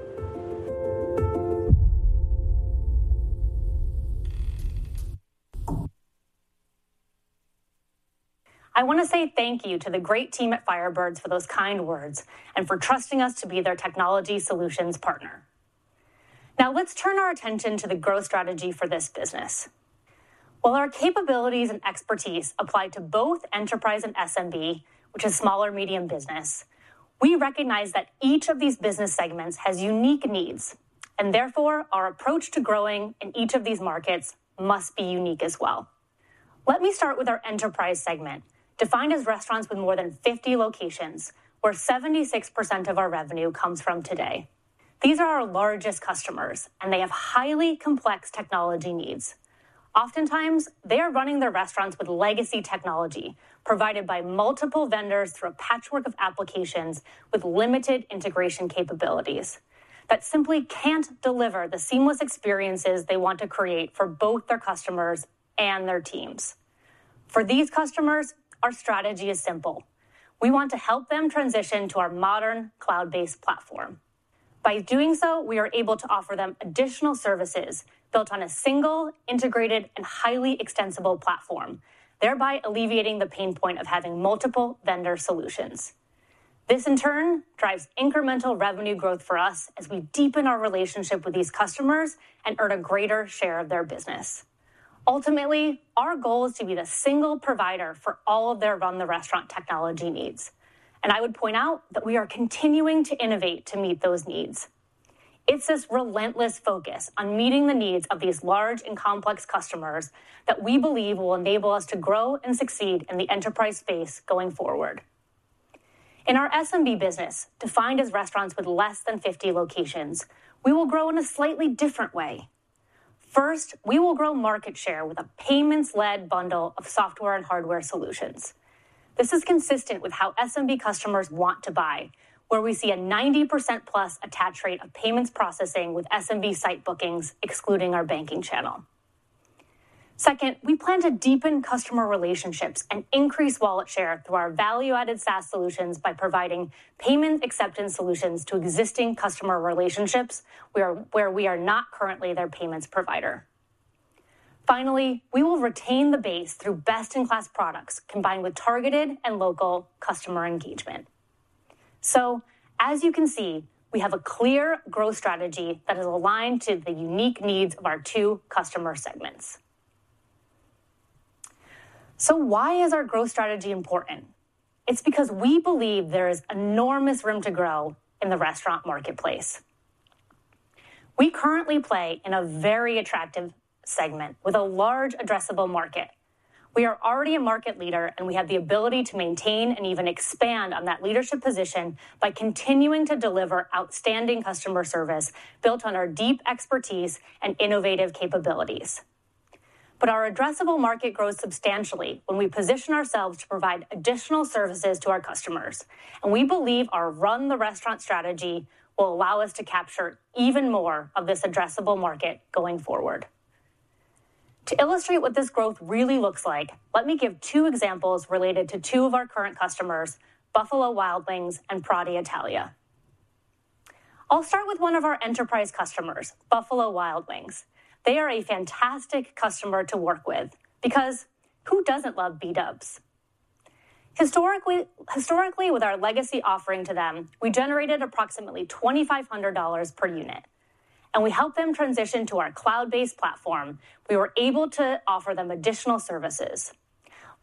I want to say thank you to the great team at Firebirds for those kind words and for trusting us to be their technology solutions partner. Now, let's turn our attention to the growth strategy for this business. While our capabilities and expertise apply to both enterprise and SMB, which is small or medium business, we recognize that each of these business segments has unique needs, and therefore, our approach to growing in each of these markets must be unique as well. Let me start with our enterprise segment, defined as restaurants with more than 50 locations, where 76% of our revenue comes from today. These are our largest customers, and they have highly complex technology needs. Oftentimes, they are running their restaurants with legacy technology provided by multiple vendors through a patchwork of applications with limited integration capabilities that simply can't deliver the seamless experiences they want to create for both their customers and their teams. For these customers, our strategy is simple: we want to help them transition to our modern, cloud-based platform... By doing so, we are able to offer them additional services built on a single, integrated, and highly extensible platform, thereby alleviating the pain point of having multiple vendor solutions. This, in turn, drives incremental revenue growth for us as we deepen our relationship with these customers and earn a greater share of their business. Ultimately, our goal is to be the single provider for all of their run the restaurant technology needs. I would point out that we are continuing to innovate to meet those needs. It's this relentless focus on meeting the needs of these large and complex customers that we believe will enable us to grow and succeed in the enterprise space going forward. In our SMB business, defined as restaurants with less than 50 locations, we will grow in a slightly different way. First, we will grow market share with a payments-led bundle of software and hardware solutions. This is consistent with how SMB customers want to buy, where we see a 90%+ attach rate of payments processing with SMB site bookings, excluding our banking channel. Second, we plan to deepen customer relationships and increase wallet share through our value-added SaaS solutions by providing payment acceptance solutions to existing customer relationships, where we are not currently their payments provider. Finally, we will retain the base through best-in-class products, combined with targeted and local customer engagement. So as you can see, we have a clear growth strategy that is aligned to the unique needs of our two customer segments. So why is our growth strategy important? It's because we believe there is enormous room to grow in the restaurant marketplace. We currently play in a very attractive segment with a large addressable market. We are already a market leader, and we have the ability to maintain and even expand on that leadership position by continuing to deliver outstanding customer service built on our deep expertise and innovative capabilities. But our addressable market grows substantially when we position ourselves to provide additional services to our customers, and we believe our Run the Restaurant strategy will allow us to capture even more of this addressable market going forward. To illustrate what this growth really looks like, let me give two examples related to two of our current customers, Buffalo Wild Wings and Prati Italia. I'll start with one of our enterprise customers, Buffalo Wild Wings. They are a fantastic customer to work with because who doesn't love B-Dubs? Historically, with our legacy offering to them, we generated approximately $2,500 per unit, and we helped them transition to our cloud-based platform. We were able to offer them additional services.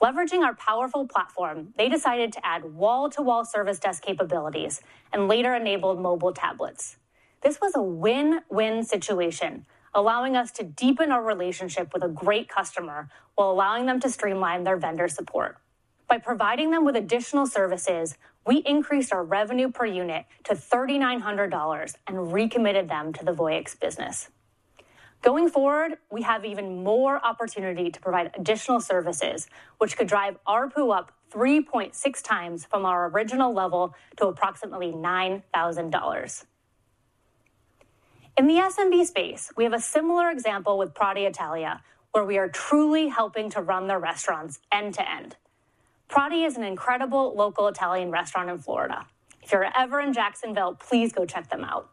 Leveraging our PARful platform, they decided to add wall-to-wall service desk capabilities and later enabled mobile tablets. This was a win-win situation, allowing us to deepen our relationship with a great customer while allowing them to streamline their vendor support. By providing them with additional services, we increased our revenue per unit to $3,900 and recommitted them to the Voyix business. Going forward, we have even more opportunity to provide additional services, which could drive ARPU up 3.6 times from our original level to approximately $9,000. In the SMB space, we have a similar example with Prati Italia, where we are truly helping to run their restaurants end-to-end. Prati is an incredible local Italian restaurant in Florida. If you're ever in Jacksonville, please go check them out.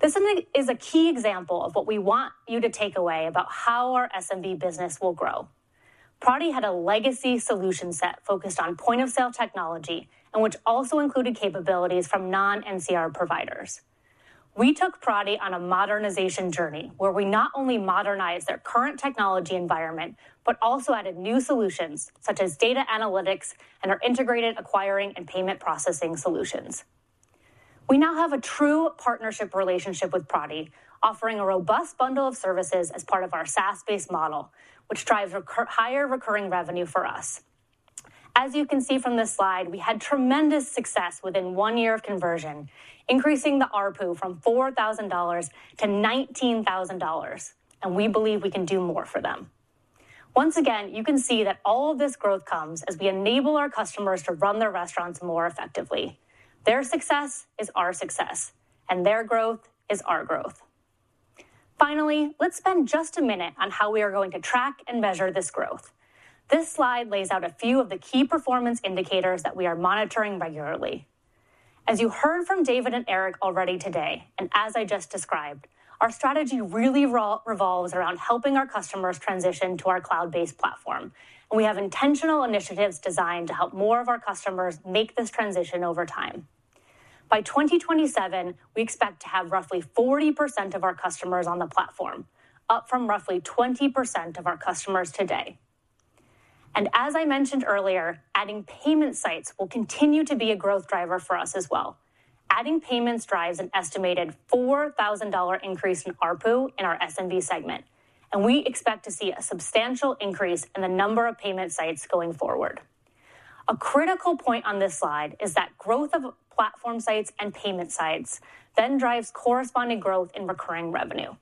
This is a key example of what we want you to take away about how our SMB business will grow. Prati had a legacy solution set focused on point-of-sale technology and which also included capabilities from non-NCR providers. We took Prati on a modernization journey, where we not only modernized their current technology environment, but also added new solutions such as data analytics and our integrated acquiring and payment processing solutions. We now have a true partnership relationship with Prati, offering a robust bundle of services as part of our SaaS-based model, which drives higher recurring revenue for us. As you can see from this slide, we had tremendous success within one year of conversion, increasing the ARPU from $4,000 to $19,000, and we believe we can do more for them. Once again, you can see that all of this growth comes as we enable our customers to run their restaurants more effectively. Their success is our success, and their growth is our growth. Finally, let's spend just a minute on how we are going to track and measure this growth. This slide lays out a few of the key performance indicators that we are monitoring regularly. As you heard from David and Eric already today, and as I just described, our strategy really revolves around helping our customers transition to our cloud-based platform, and we have intentional initiatives designed to help more of our customers make this transition over time. By 2027, we expect to have roughly 40% of our customers on the platform, up from roughly 20% of our customers today. And as I mentioned earlier, adding payment sites will continue to be a growth driver for us as well. Adding payments drives an estimated $4,000 increase in ARPU in our SMB segment, and we expect to see a substantial increase in the number of payment sites going forward. A critical point on this slide is that growth of platform sites and payment sites then drives corresponding growth in recurring revenue.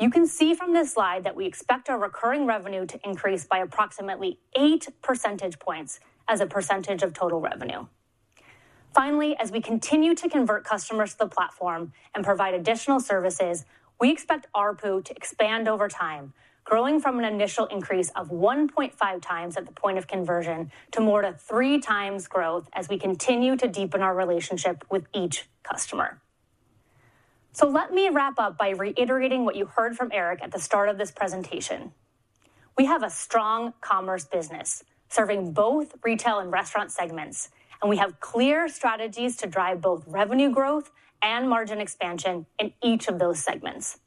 You can see from this slide that we expect our recurring revenue to increase by approximately 8 percentage points as a percentage of total revenue. Finally, as we continue to convert customers to the platform and provide additional services, we expect ARPU to expand over time, growing from an initial increase of 1.5 times at the point of conversion to more than 3 times growth as we continue to deepen our relationship with each customer.... So let me wrap up by reiterating what you heard from Eric at the start of this presentation. We have a strong commerce business, serving both retail and restaurant segments, and we have clear strategies to drive both revenue growth and margin expansion in each of those segments.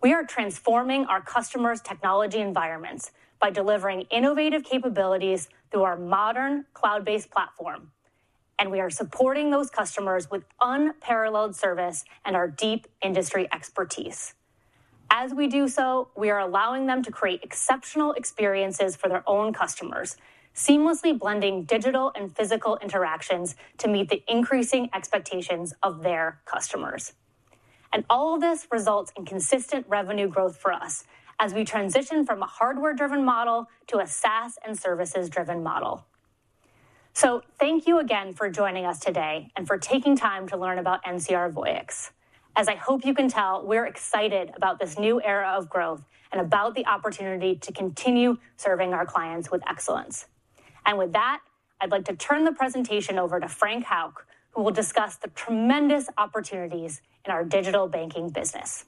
We are transforming our customers' technology environments by delivering innovative capabilities through our modern cloud-based platform, and we are supporting those customers with unparalleled service and our deep industry expertise. As we do so, we are allowing them to create exceptional experiences for their own customers, seamlessly blending digital and physical interactions to meet the increasing expectations of their customers. All of this results in consistent revenue growth for us as we transition from a hardware-driven model to a SaaS and services-driven model. Thank you again for joining us today and for taking time to learn about NCR Voyix. As I hope you can tell, we're excited about this new era of growth and about the opportunity to continue serving our clients with excellence. With that, I'd like to turn the presentation over to Frank Hauck, who will discuss the tremendous opportunities in our digital banking business.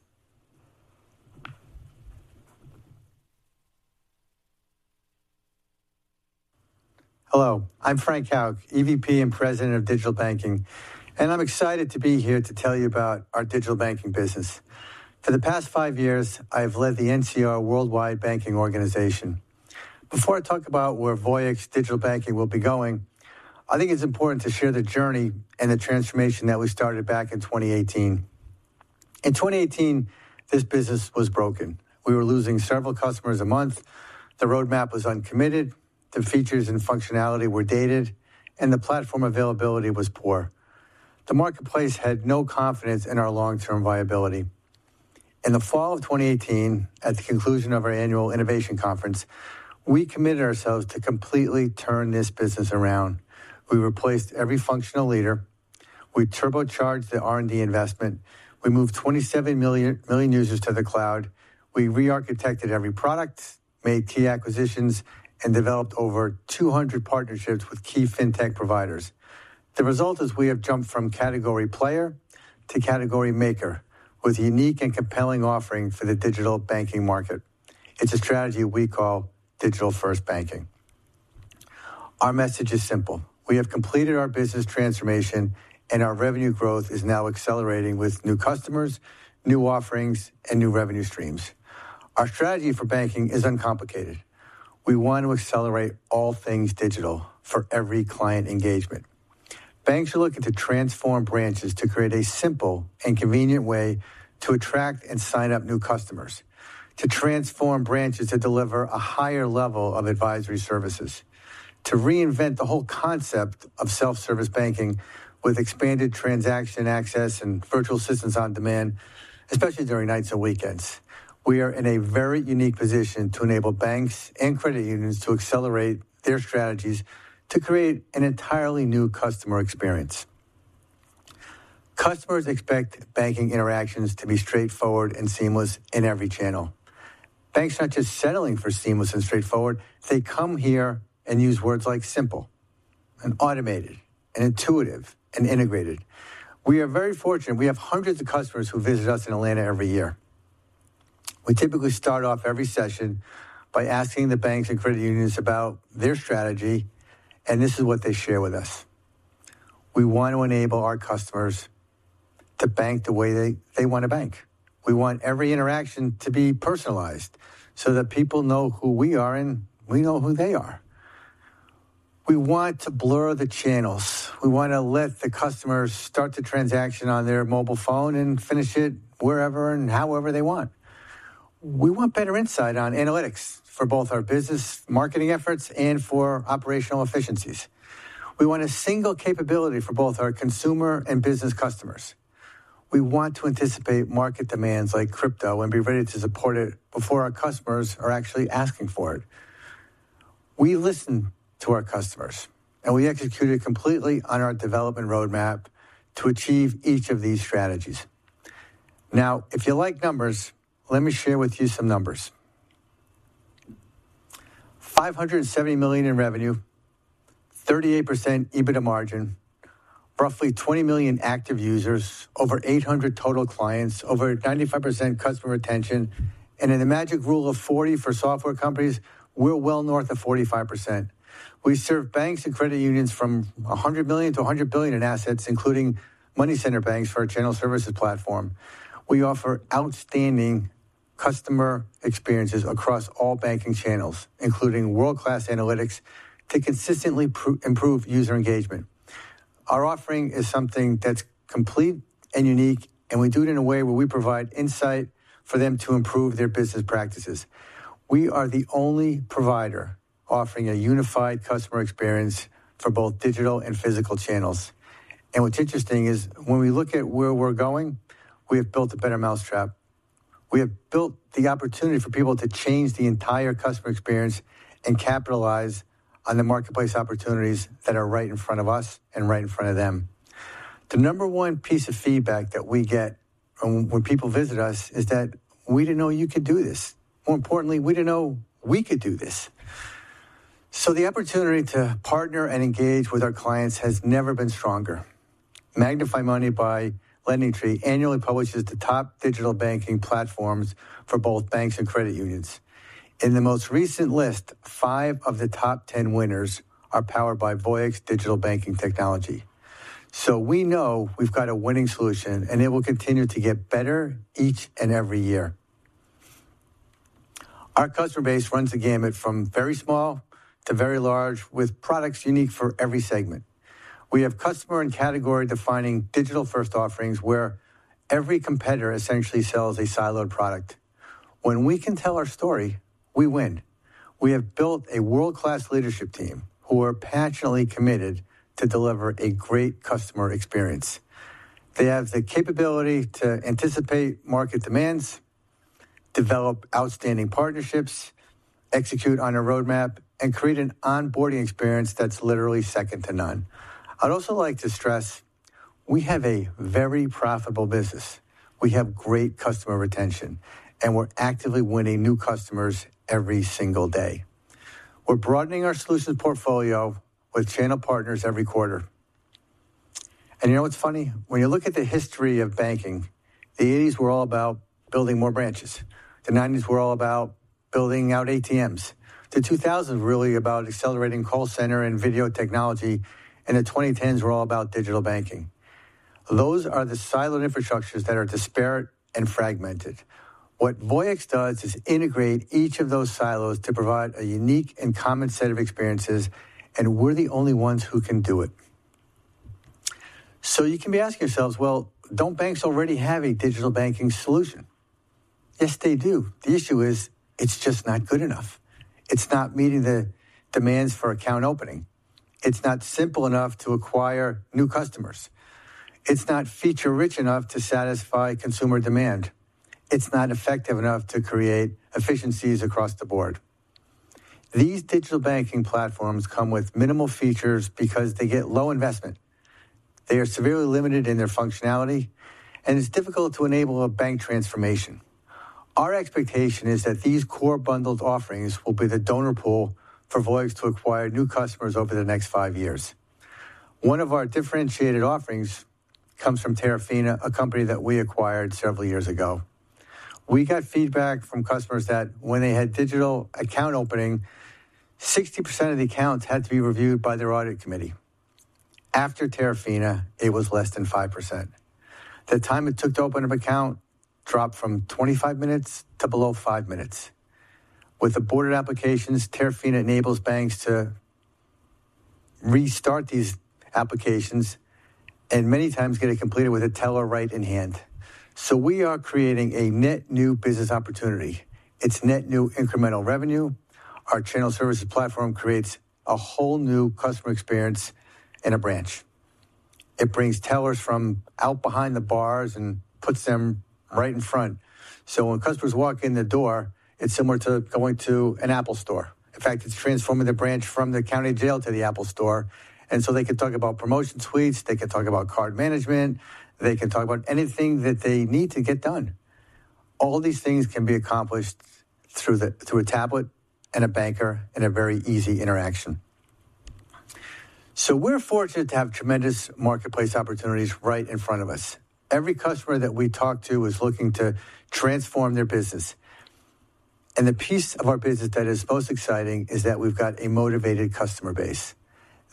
Hello, I'm Frank Hauck, EVP and President of Digital Banking, and I'm excited to be here to tell you about our digital banking business. For the past 5 years, I've led the NCR Worldwide Banking Organization. Before I talk about where Voyix Digital Banking will be going, I think it's important to share the journey and the transformation that we started back in 2018. In 2018, this business was broken. We were losing several customers a month, the roadmap was uncommitted, the features and functionality were dated, and the platform availability was poor. The marketplace had no confidence in our long-term viability. In the fall of 2018, at the conclusion of our annual innovation conference, we committed ourselves to completely turn this business around. We replaced every functional leader, we turbocharged the R&D investment, we moved 27 million users to the cloud, we rearchitected every product, made key acquisitions, and developed over 200 partnerships with key fintech providers. The result is we have jumped from category player to category maker, with a unique and compelling offering for the digital banking market. It's a strategy we call Digital-First Banking. Our message is simple: We have completed our business transformation, and our revenue growth is now accelerating with new customers, new offerings, and new revenue streams. Our strategy for banking is uncomplicated. We want to accelerate all things digital for every client engagement. Banks are looking to transform branches to create a simple and convenient way to attract and sign up new customers, to transform branches to deliver a higher level of advisory services, to reinvent the whole concept of self-service banking with expanded transaction access and virtual assistants on demand, especially during nights and weekends. We are in a very unique position to enable banks and credit unions to accelerate their strategies to create an entirely new customer experience. Customers expect banking interactions to be straightforward and seamless in every channel. Banks are not just settling for seamless and straightforward. They come here and use words like simple and automated and intuitive and integrated. We are very fortunate. We have hundreds of customers who visit us in Atlanta every year. We typically start off every session by asking the banks and credit unions about their strategy, and this is what they share with us: We want to enable our customers to bank the way they want to bank. We want every interaction to be personalized so that people know who we are and we know who they are. We want to blur the channels. We want to let the customers start the transaction on their mobile phone and finish it wherever and however they want. We want better insight on analytics for both our business marketing efforts and for operational efficiencies. We want a single capability for both our consumer and business customers. We want to anticipate market demands like crypto and be ready to support it before our customers are actually asking for it. We listen to our customers, and we executed completely on our development roadmap to achieve each of these strategies. Now, if you like numbers, let me share with you some numbers. $570 million in revenue, 38% EBITDA margin, roughly 20 million active users, over 800 total clients, over 95% customer retention, and in the magic rule of 40 for software companies, we're well north of 45%. We serve banks and credit unions from $100 million to $100 billion in assets, including money center banks for our general services platform. We offer outstanding customer experiences across all banking channels, including world-class analytics to consistently improve user engagement. Our offering is something that's complete and unique, and we do it in a way where we provide insight for them to improve their business practices. We are the only provider offering a unified customer experience for both digital and physical channels. What's interesting is, when we look at where we're going, we have built a better mousetrap. We have built the opportunity for people to change the entire customer experience and capitalize on the marketplace opportunities that are right in front of us and right in front of them. The number one piece of feedback that we get from when people visit us is that, "We didn't know you could do this." More importantly, "We didn't know we could do this."... The opportunity to partner and engage with our clients has never been stronger. MagnifyMoney by LendingTree annually publishes the top digital banking platforms for both banks and credit unions. In the most recent list, five of the top 10 winners are PARed by Voyix digital banking technology. So we know we've got a winning solution, and it will continue to get better each and every year. Our customer base runs the gamut from very small to very large, with products unique for every segment. We have customer and category-defining digital-first offerings where every competitor essentially sells a siloed product. When we can tell our story, we win. We have built a world-class leadership team who are passionately committed to deliver a great customer experience. They have the capability to anticipate market demands, develop outstanding partnerships, execute on a roadmap, and create an onboarding experience that's literally second to none. I'd also like to stress, we have a very profitable business. We have great customer retention, and we're actively winning new customers every single day. We're broadening our solutions portfolio with channel partners every quarter. And you know what's funny? When you look at the history of banking, the 1980s were all about building more branches. The 1990s were all about building out ATMs. The 2000s were really about accelerating call center and video technology, and the 2010s were all about digital banking. Those are the siloed infrastructures that are disparate and fragmented. What Voyix does is integrate each of those silos to provide a unique and common set of experiences, and we're the only ones who can do it. So you can be asking yourselves, "Well, don't banks already have a digital banking solution?" Yes, they do. The issue is, it's just not good enough. It's not meeting the demands for account opening. It's not simple enough to acquire new customers. It's not feature-rich enough to satisfy consumer demand. It's not effective enough to create efficiencies across the board. These digital banking platforms come with minimal features because they get low investment. They are severely limited in their functionality, and it's difficult to enable a bank transformation. Our expectation is that these core bundled offerings will be the donor pool for Voyix to acquire new customers over the next 5 years. One of our differentiated offerings comes from Terafina, a company that we acquired several years ago. We got feedback from customers that when they had digital account opening, 60% of the accounts had to be reviewed by their audit committee. After Terafina, it was less than 5%. The time it took to open up an account dropped from 25 minutes to below 5 minutes. With aborted applications, Terafina enables banks to restart these applications and many times get it completed with a teller right in hand. So we are creating a net new business opportunity. It's net new incremental revenue. Our Channel Services Platform creates a whole new customer experience in a branch. It brings tellers from out behind the bars and puts them right in front. So when customers walk in the door, it's similar to going to an Apple Store. In fact, it's transforming the branch from the county jail to the Apple Store, and so they can talk about promotion suites, they can talk about card management, they can talk about anything that they need to get done. All these things can be accomplished through a tablet and a banker in a very easy interaction. So we're fortunate to have tremendous marketplace opportunities right in front of us. Every customer that we talk to is looking to transform their business, and the piece of our business that is most exciting is that we've got a motivated customer base.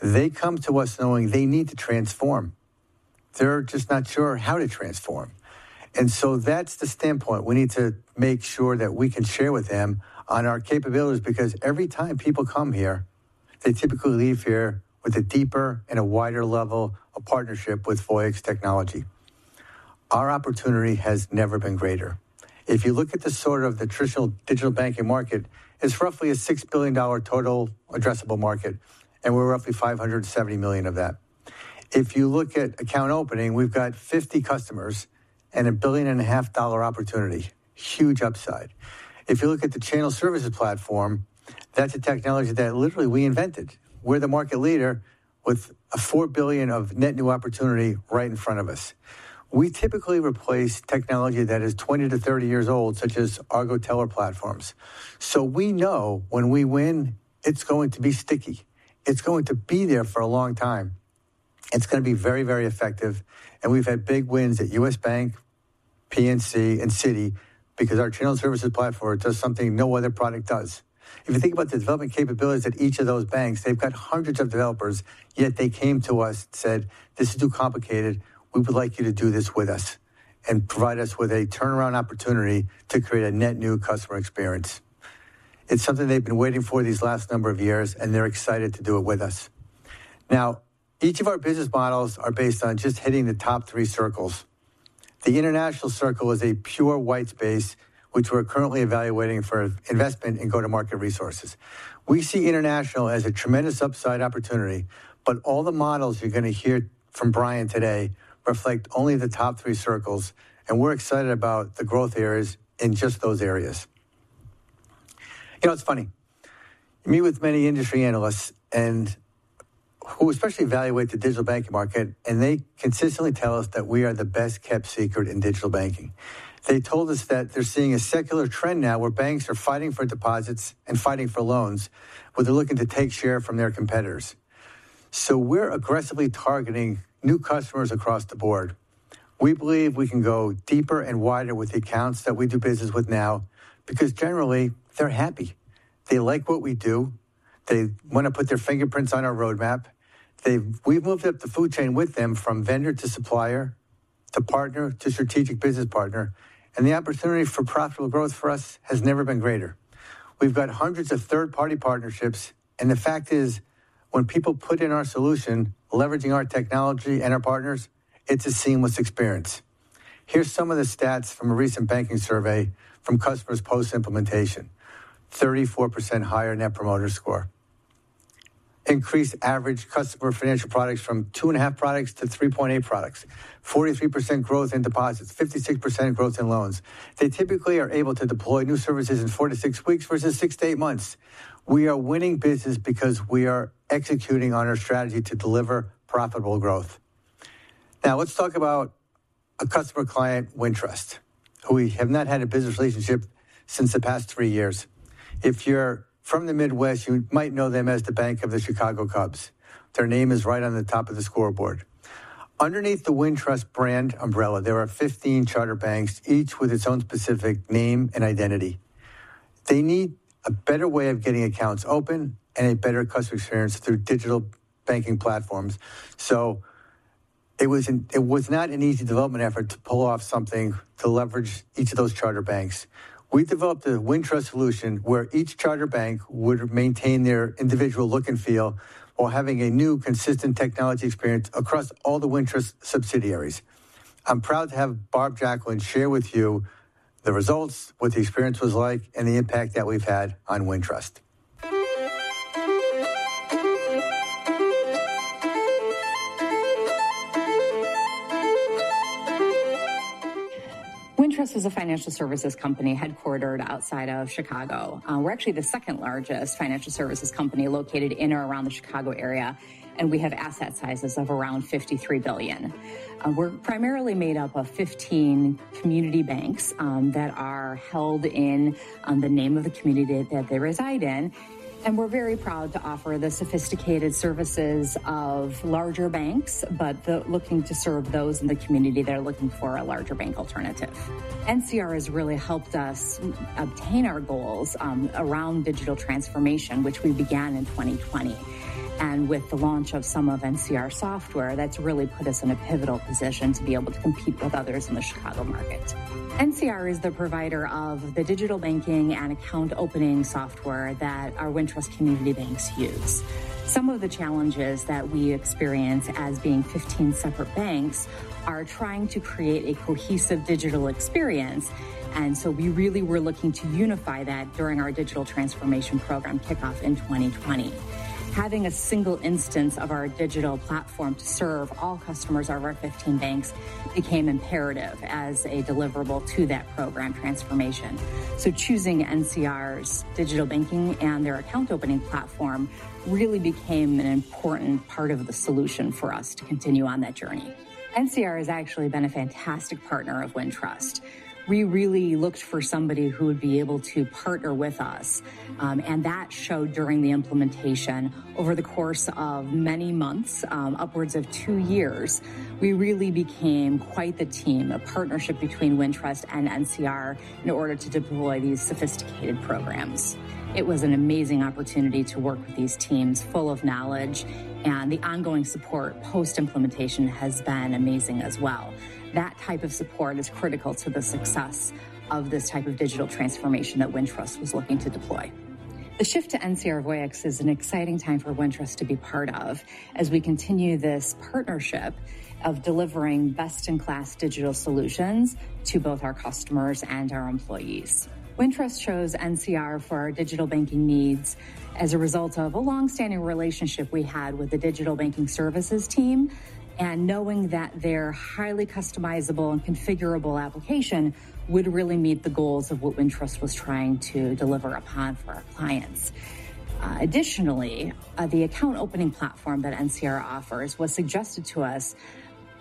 They come to us knowing they need to transform. They're just not sure how to transform, and so that's the standpoint. We need to make sure that we can share with them on our capabilities, because every time people come here, they typically leave here with a deeper and a wider level of partnership with Voyix technology. Our opportunity has never been greater. If you look at the sort of the traditional digital banking market, it's roughly a $6 billion total addressable market, and we're roughly $570 million of that. If you look at account opening, we've got 50 customers and a $1.5 billion opportunity. Huge upside. If you look at the Channel Services Platform, that's a technology that literally we invented. We're the market leader with a $4 billion of net new opportunity right in front of us. We typically replace technology that is 20-30 years old, such as ARGO Teller platforms. So we know when we win, it's going to be sticky, it's going to be there for a long time. It's gonna be very, very effective, and we've had big wins at U.S. Bank, PNC, and Citi because our Channel Services Platform does something no other product does. If you think about the development capabilities at each of those banks, they've got hundreds of developers, yet they came to us and said, "This is too complicated. We would like you to do this with us and provide us with a turnaround opportunity to create a net new customer experience." It's something they've been waiting for these last number of years, and they're excited to do it with us. Now, each of our business models are based on just hitting the top three circles. The international circle is a pure white space, which we're currently evaluating for investment in go-to-market resources. We see international as a tremendous upside opportunity, but all the models you're gonna hear from Brian today reflect only the top three circles, and we're excited about the growth areas in just those areas. You know, it's funny, you meet with many industry analysts and who especially evaluate the digital banking market, and they consistently tell us that we are the best-kept secret in digital banking. They told us that they're seeing a secular trend now where banks are fighting for deposits and fighting for loans, where they're looking to take share from their competitors. So we're aggressively targeting new customers across the board. We believe we can go deeper and wider with the accounts that we do business with now because generally they're happy. They like what we do. They want to put their fingerprints on our roadmap. We've moved up the food chain with them from vendor to supplier, to partner, to strategic business partner, and the opportunity for profitable growth for us has never been greater. We've got hundreds of third-party partnerships, and the fact is, when people put in our solution, leveraging our technology and our partners, it's a seamless experience. Here are some of the stats from a recent banking survey from customers post-implementation. 34% higher Net Promoter Score. Increased average customer financial products from 2.5 products to 3.8 products. 43% growth in deposits, 56% growth in loans. They typically are able to deploy new services in 4-6 weeks versus 6-8 months. We are winning business because we are executing on our strategy to deliver profitable growth. Now, let's talk about a customer client, Wintrust, who we have not had a business relationship since the past 3 years. If you're from the Midwest, you might know them as the bank of the Chicago Cubs. Their name is right on the top of the scoreboard. Underneath the Wintrust brand umbrella, there are 15 charter banks, each with its own specific name and identity. They need a better way of getting accounts open and a better customer experience through digital banking platforms. So it was not an easy development effort to pull off something to leverage each of those charter banks. We developed a Wintrust solution where each charter bank would maintain their individual look and feel while having a new, consistent technology experience across all the Wintrust subsidiaries. I'm proud to have Barb Jacklin share with you the results, what the experience was like, and the impact that we've had on Wintrust. Wintrust is a financial services company headquartered outside of Chicago. We're actually the second-largest financial services company located in or around the Chicago area, and we have asset sizes of around $53 billion. We're primarily made up of 15 community banks that are held in the name of the community that they reside in, and we're very proud to offer the sophisticated services of larger banks, but looking to serve those in the community that are looking for a larger bank alternative. NCR has really helped us obtain our goals around digital transformation, which we began in 2020. With the launch of some of NCR's software, that's really put us in a pivotal position to be able to compete with others in the Chicago market. NCR is the provider of the digital banking and account opening software that our Wintrust community banks use. Some of the challenges that we experience as being 15 separate banks are trying to create a cohesive digital experience, and so we really were looking to unify that during our digital transformation program kickoff in 2020. Having a single instance of our digital platform to serve all customers of our 15 banks became imperative as a deliverable to that program transformation. So choosing NCR's digital banking and their account opening platform really became an important part of the solution for us to continue on that journey. NCR has actually been a fantastic partner of Wintrust. We really looked for somebody who would be able to partner with us, and that showed during the implementation over the course of many months, upwards of 2 years. We really became quite the team, a partnership between Wintrust and NCR, in order to deploy these sophisticated programs. It was an amazing opportunity to work with these teams full of knowledge, and the ongoing support post-implementation has been amazing as well. That type of support is critical to the success of this type of digital transformation that Wintrust was looking to deploy. The shift to NCR Voyix is an exciting time for Wintrust to be part of as we continue this partnership of delivering best-in-class digital solutions to both our customers and our employees. Wintrust chose NCR for our digital banking needs as a result of a long-standing relationship we had with the digital banking services team, and knowing that their highly customizable and configurable application would really meet the goals of what Wintrust was trying to deliver upon for our clients. Additionally, the account opening platform that NCR offers was suggested to us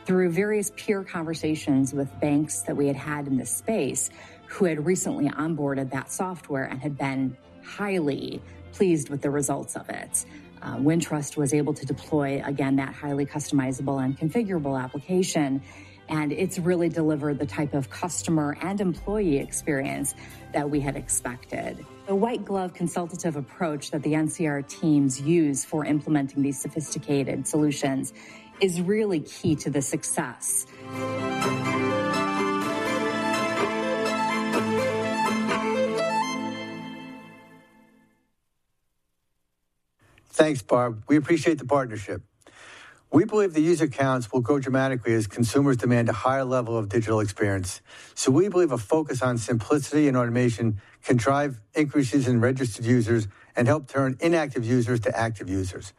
through various peer conversations with banks that we had had in this space, who had recently onboarded that software and had been highly pleased with the results of it. Wintrust was able to deploy, again, that highly customizable and configurable application, and it's really delivered the type of customer and employee experience that we had expected. The white-glove consultative approach that the NCR teams use for implementing these sophisticated solutions is really key to the success. Thanks, Barb. We appreciate the partnership. We believe the user counts will grow dramatically as consumers demand a higher level of digital experience. So we believe a focus on simplicity and automation can drive increases in registered users and help turn inactive users to active users.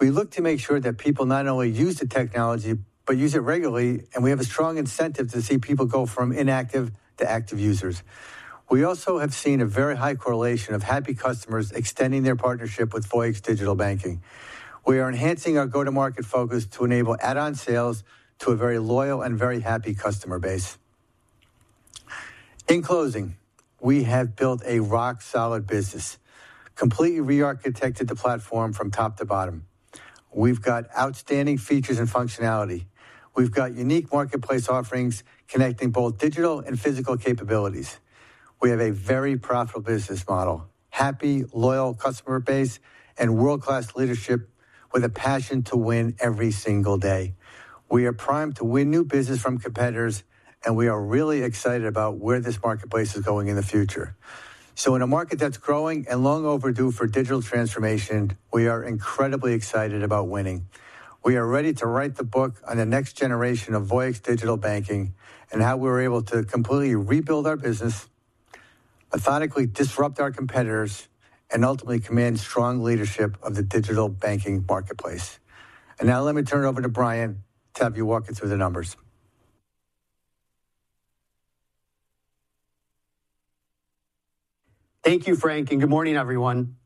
We look to make sure that people not only use the technology, but use it regularly, and we have a strong incentive to see people go from inactive to active users. We also have seen a very high correlation of happy customers extending their partnership with Voyix Digital Banking. We are enhancing our go-to-market focus to enable add-on sales to a very loyal and very happy customer base.... In closing, we have built a rock-solid business, completely rearchitected the platform from top to bottom. We've got outstanding features and functionality. We've got unique marketplace offerings connecting both digital and physical capabilities. We have a very profitable business model, happy, loyal customer base, and world-class leadership with a passion to win every single day. We are primed to win new business from competitors, and we are really excited about where this marketplace is going in the future. So in a market that's growing and long overdue for digital transformation, we are incredibly excited about winning. We are ready to write the book on the next generation of Voyix digital banking and how we're able to completely rebuild our business, methodically disrupt our competitors, and ultimately command strong leadership of the digital banking marketplace. Now let me turn it over to Brian to have you walk us through the numbers. Thank you, Frank, and good morning, everyone.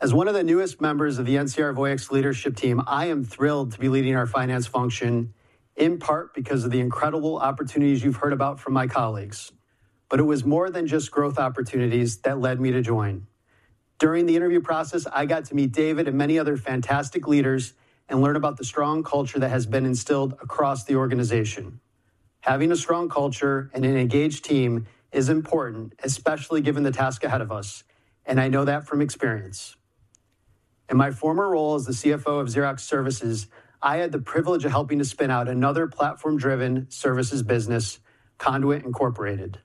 As one of the newest members of the NCR Voyix leadership team, I am thrilled to be leading our finance function, in part because of the incredible opportunities you've heard about from my colleagues. But it was more than just growth opportunities that led me to join. During the interview process, I got to meet David and many other fantastic leaders and learn about the strong culture that has been instilled across the organization. Having a strong culture and an engaged team is important, especially given the task ahead of us, and I know that from experience. In my former role as the CFO of Xerox Services, I had the privilege of helping to spin out another platform-driven services business, Conduent Incorporated,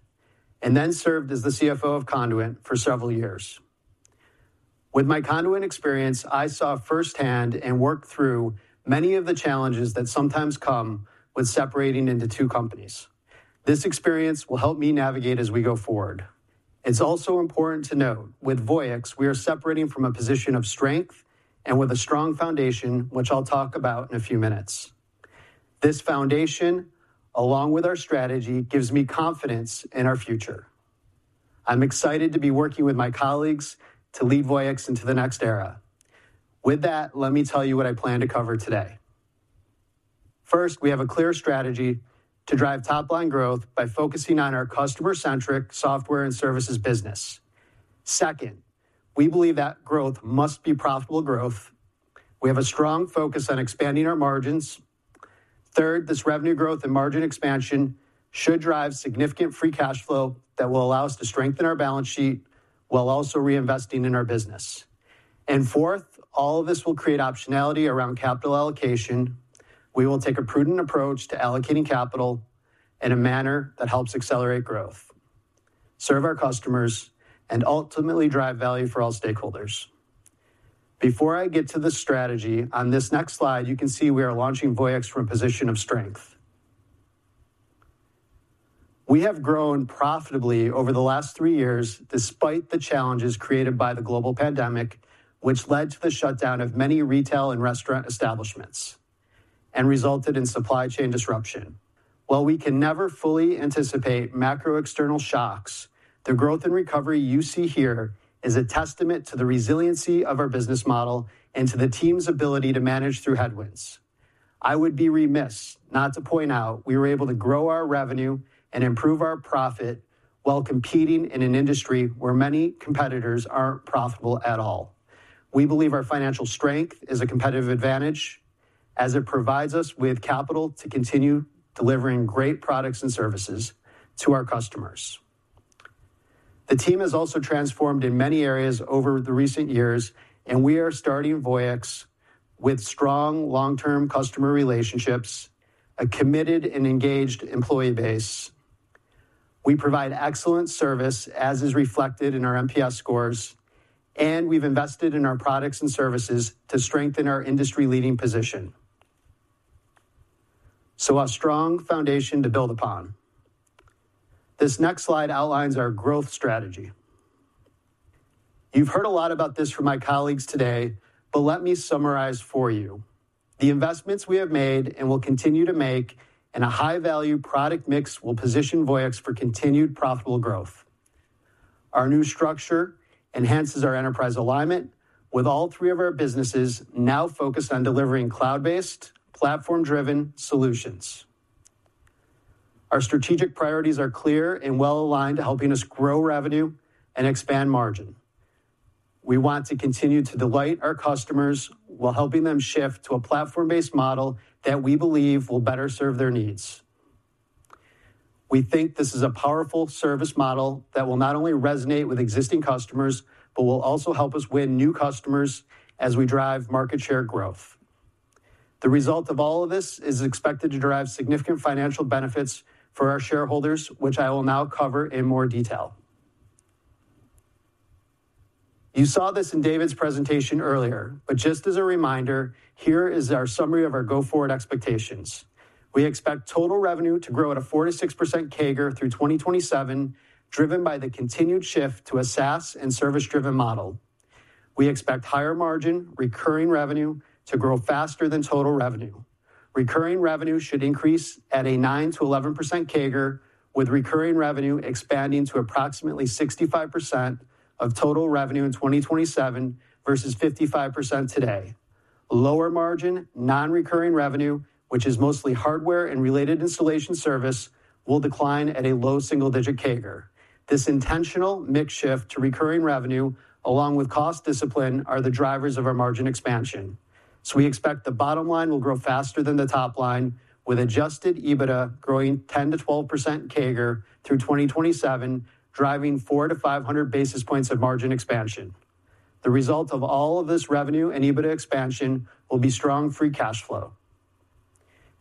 and then served as the CFO of Conduent for several years. With my Conduent experience, I saw firsthand and worked through many of the challenges that sometimes come with separating into two companies. This experience will help me navigate as we go forward. It's also important to note, with Voyix, we are separating from a position of strength and with a strong foundation, which I'll talk about in a few minutes. This foundation, along with our strategy, gives me confidence in our future. I'm excited to be working with my colleagues to lead Voyix into the next era. With that, let me tell you what I plan to cover today. First, we have a clear strategy to drive top-line growth by focusing on our customer-centric software and services business. Second, we believe that growth must be profitable growth. We have a strong focus on expanding our margins. Third, this revenue growth and margin expansion should drive significant free cash flow that will allow us to strengthen our balance sheet while also reinvesting in our business. Fourth, all of this will create optionality around capital allocation. We will take a prudent approach to allocating capital in a manner that helps accelerate growth, serve our customers, and ultimately drive value for all stakeholders. Before I get to the strategy, on this next slide, you can see we are launching Voyix from a position of strength. We have grown profitably over the last 3 years, despite the challenges created by the global pandemic, which led to the shutdown of many retail and restaurant establishments and resulted in supply chain disruption. While we can never fully anticipate macro external shocks, the growth and recovery you see here is a testament to the resiliency of our business model and to the team's ability to manage through headwinds. I would be remiss not to point out we were able to grow our revenue and improve our profit while competing in an industry where many competitors aren't profitable at all. We believe our financial strength is a competitive advantage as it provides us with capital to continue delivering great products and services to our customers. The team has also transformed in many areas over the recent years, and we are starting Voyix with strong long-term customer relationships, a committed and engaged employee base. We provide excellent service, as is reflected in our MPS scores, and we've invested in our products and services to strengthen our industry-leading position. So a strong foundation to build upon. This next slide outlines our growth strategy. You've heard a lot about this from my colleagues today, but let me summarize for you. The investments we have made and will continue to make and a high-value product mix will position Voyix for continued profitable growth. Our new structure enhances our enterprise alignment, with all three of our businesses now focused on delivering cloud-based, platform-driven solutions. Our strategic priorities are clear and well-aligned to helping us grow revenue and expand margin. We want to continue to delight our customers while helping them shift to a platform-based model that we believe will better serve their needs. We think this is a powerful service model that will not only resonate with existing customers, but will also help us win new customers as we drive market share growth. The result of all of this is expected to drive significant financial benefits for our shareholders, which I will now cover in more detail. You saw this in David's presentation earlier, but just as a reminder, here is our summary of our go-forward expectations. We expect total revenue to grow at a 4%-6% CAGR through 2027, driven by the continued shift to a SaaS and service-driven model. We expect higher margin recurring revenue to grow faster than total revenue. Recurring revenue should increase at a 9%-11% CAGR, with recurring revenue expanding to approximately 65% of total revenue in 2027 versus 55% today. Lower margin, non-recurring revenue, which is mostly hardware and related installation service, will decline at a low single-digit CAGR. This intentional mix shift to recurring revenue, along with cost discipline, are the drivers of our margin expansion. So we expect the bottom line will grow faster than the top line, with adjusted EBITDA growing 10%-12% CAGR through 2027, driving 400-500 basis points of margin expansion. The result of all of this revenue and EBITDA expansion will be strong free cash flow.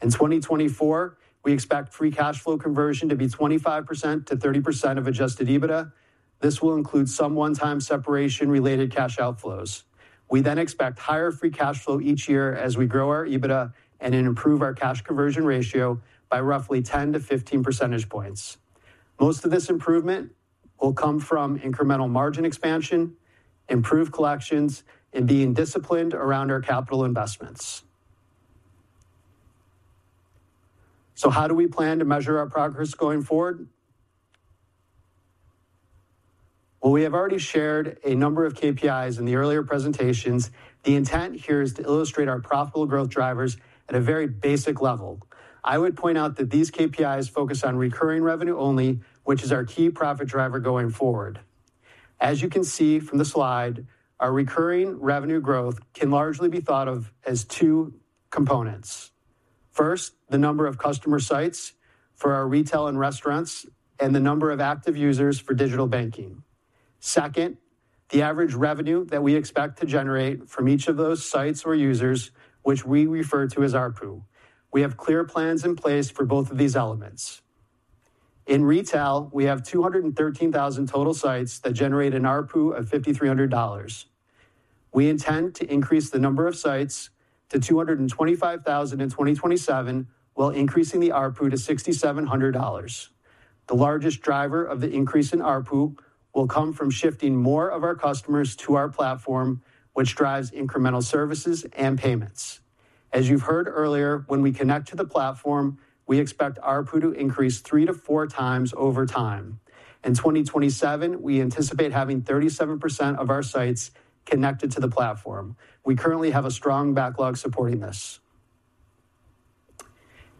In 2024, we expect free cash flow conversion to be 25%-30% of adjusted EBITDA. This will include some one-time separation-related cash outflows. We then expect higher free cash flow each year as we grow our EBITDA and then improve our cash conversion ratio by roughly 10-15 percentage points. Most of this improvement will come from incremental margin expansion, improved collections, and being disciplined around our capital investments. So how do we plan to measure our progress going forward? Well, we have already shared a number of KPIs in the earlier presentations. The intent here is to illustrate our profitable growth drivers at a very basic level. I would point out that these KPIs focus on recurring revenue only, which is our key profit driver going forward. As you can see from the slide, our recurring revenue growth can largely be thought of as two components. First, the number of customer sites for our retail and restaurants and the number of active users for digital banking. Second, the average revenue that we expect to generate from each of those sites or users, which we refer to as ARPU. We have clear plans in place for both of these elements. In retail, we have 213,000 total sites that generate an ARPU of $5,300. We intend to increase the number of sites to 225,000 in 2027, while increasing the ARPU to $6,700. The largest driver of the increase in ARPU will come from shifting more of our customers to our platform, which drives incremental services and payments. As you've heard earlier, when we connect to the platform, we expect ARPU to increase 3-4 times over time. In 2027, we anticipate having 37% of our sites connected to the platform. We currently have a strong backlog supporting this.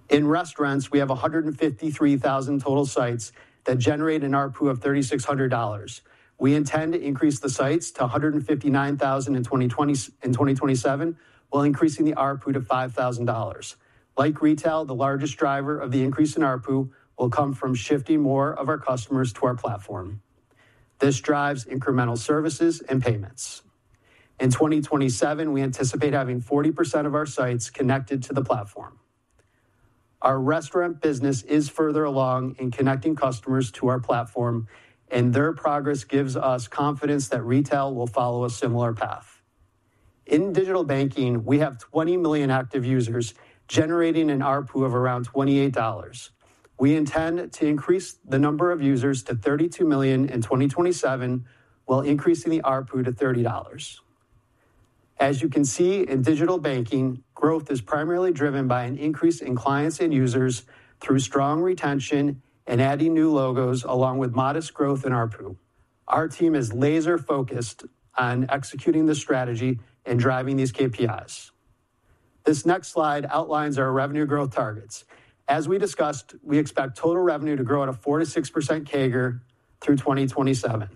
In restaurants, we have 153,000 total sites that generate an ARPU of $3,600. We intend to increase the sites to 159,000 in 2027, while increasing the ARPU to $5,000. Like retail, the largest driver of the increase in ARPU will come from shifting more of our customers to our platform. This drives incremental services and payments. In 2027, we anticipate having 40% of our sites connected to the platform. Our restaurant business is further along in connecting customers to our platform, and their progress gives us confidence that retail will follow a similar path. In digital banking, we have 20 million active users generating an ARPU of around $28. We intend to increase the number of users to 32 million in 2027, while increasing the ARPU to $30. As you can see, in digital banking, growth is primarily driven by an increase in clients and users through strong retention and adding new logos, along with modest growth in ARPU. Our team is laser-focused on executing this strategy and driving these KPIs. This next slide outlines our revenue growth targets. As we discussed, we expect total revenue to grow at a 4%-6% CAGR through 2027.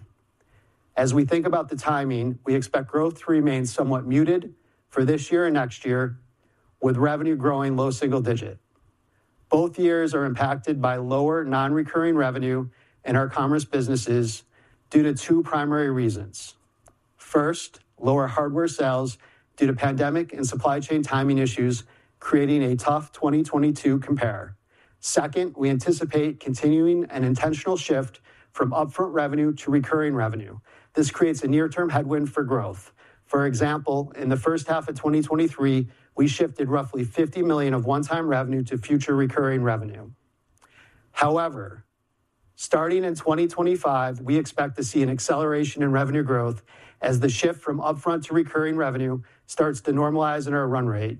As we think about the timing, we expect growth to remain somewhat muted for this year and next year, with revenue growing low single-digit. Both years are impacted by lower non-recurring revenue in our commerce businesses due to two primary reasons. First, lower hardware sales due to pandemic and supply chain timing issues, creating a tough 2022 compare. Second, we anticipate continuing an intentional shift from upfront revenue to recurring revenue. This creates a near-term headwind for growth. For example, in the first half of 2023, we shifted roughly $50 million of one-time revenue to future recurring revenue. However, starting in 2025, we expect to see an acceleration in revenue growth as the shift from upfront to recurring revenue starts to normalize in our run rate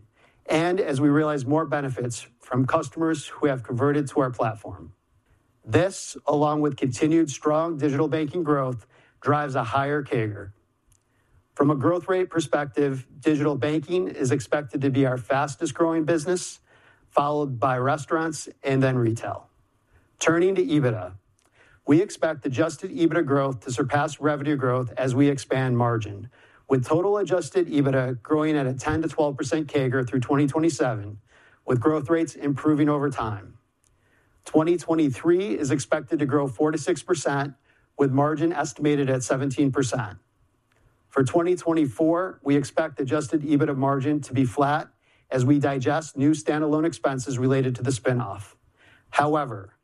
and as we realize more benefits from customers who have converted to our platform. This, along with continued strong digital banking growth, drives a higher CAGR. From a growth rate perspective, digital banking is expected to be our fastest-growing business, followed by restaurants and then retail. Turning to EBITDA, we expect adjusted EBITDA growth to surpass revenue growth as we expand margin, with total adjusted EBITDA growing at a 10%-12% CAGR through 2027, with growth rates improving over time. 2023 is expected to grow 4%-6%, with margin estimated at 17%. For 2024, we expect adjusted EBITDA margin to be flat as we digest new standalone expenses related to the spin-off. However,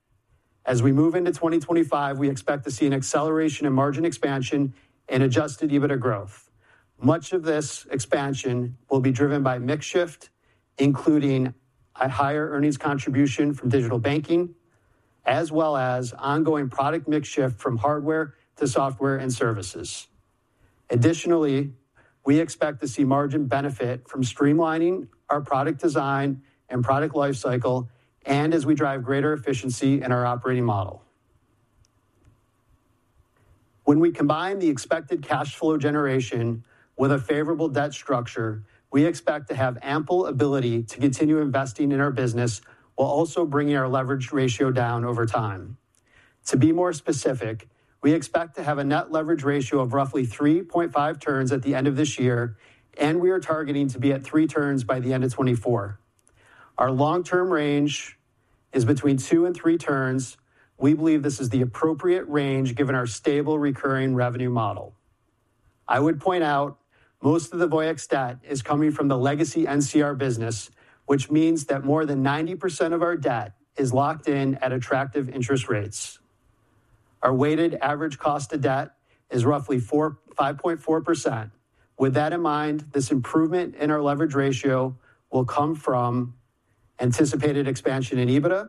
as we move into 2025, we expect to see an acceleration in margin expansion and adjusted EBITDA growth. Much of this expansion will be driven by mix shift, including a higher earnings contribution from digital banking, as well as ongoing product mix shift from hardware to software and services. Additionally, we expect to see margin benefit from streamlining our product design and product lifecycle and as we drive greater efficiency in our operating model. When we combine the expected cash flow generation with a favorable debt structure, we expect to have ample ability to continue investing in our business, while also bringing our leverage ratio down over time. To be more specific, we expect to have a net leverage ratio of roughly 3.5 turns at the end of this year, and we are targeting to be at 3 turns by the end of 2024. Our long-term range is between 2 and 3 turns. We believe this is the appropriate range, given our stable, recurring revenue model. I would point out, most of the Voyix debt is coming from the legacy NCR business, which means that more than 90% of our debt is locked in at attractive interest rates. Our weighted average cost of debt is roughly 5.4%. With that in mind, this improvement in our leverage ratio will come from anticipated expansion in EBITDA,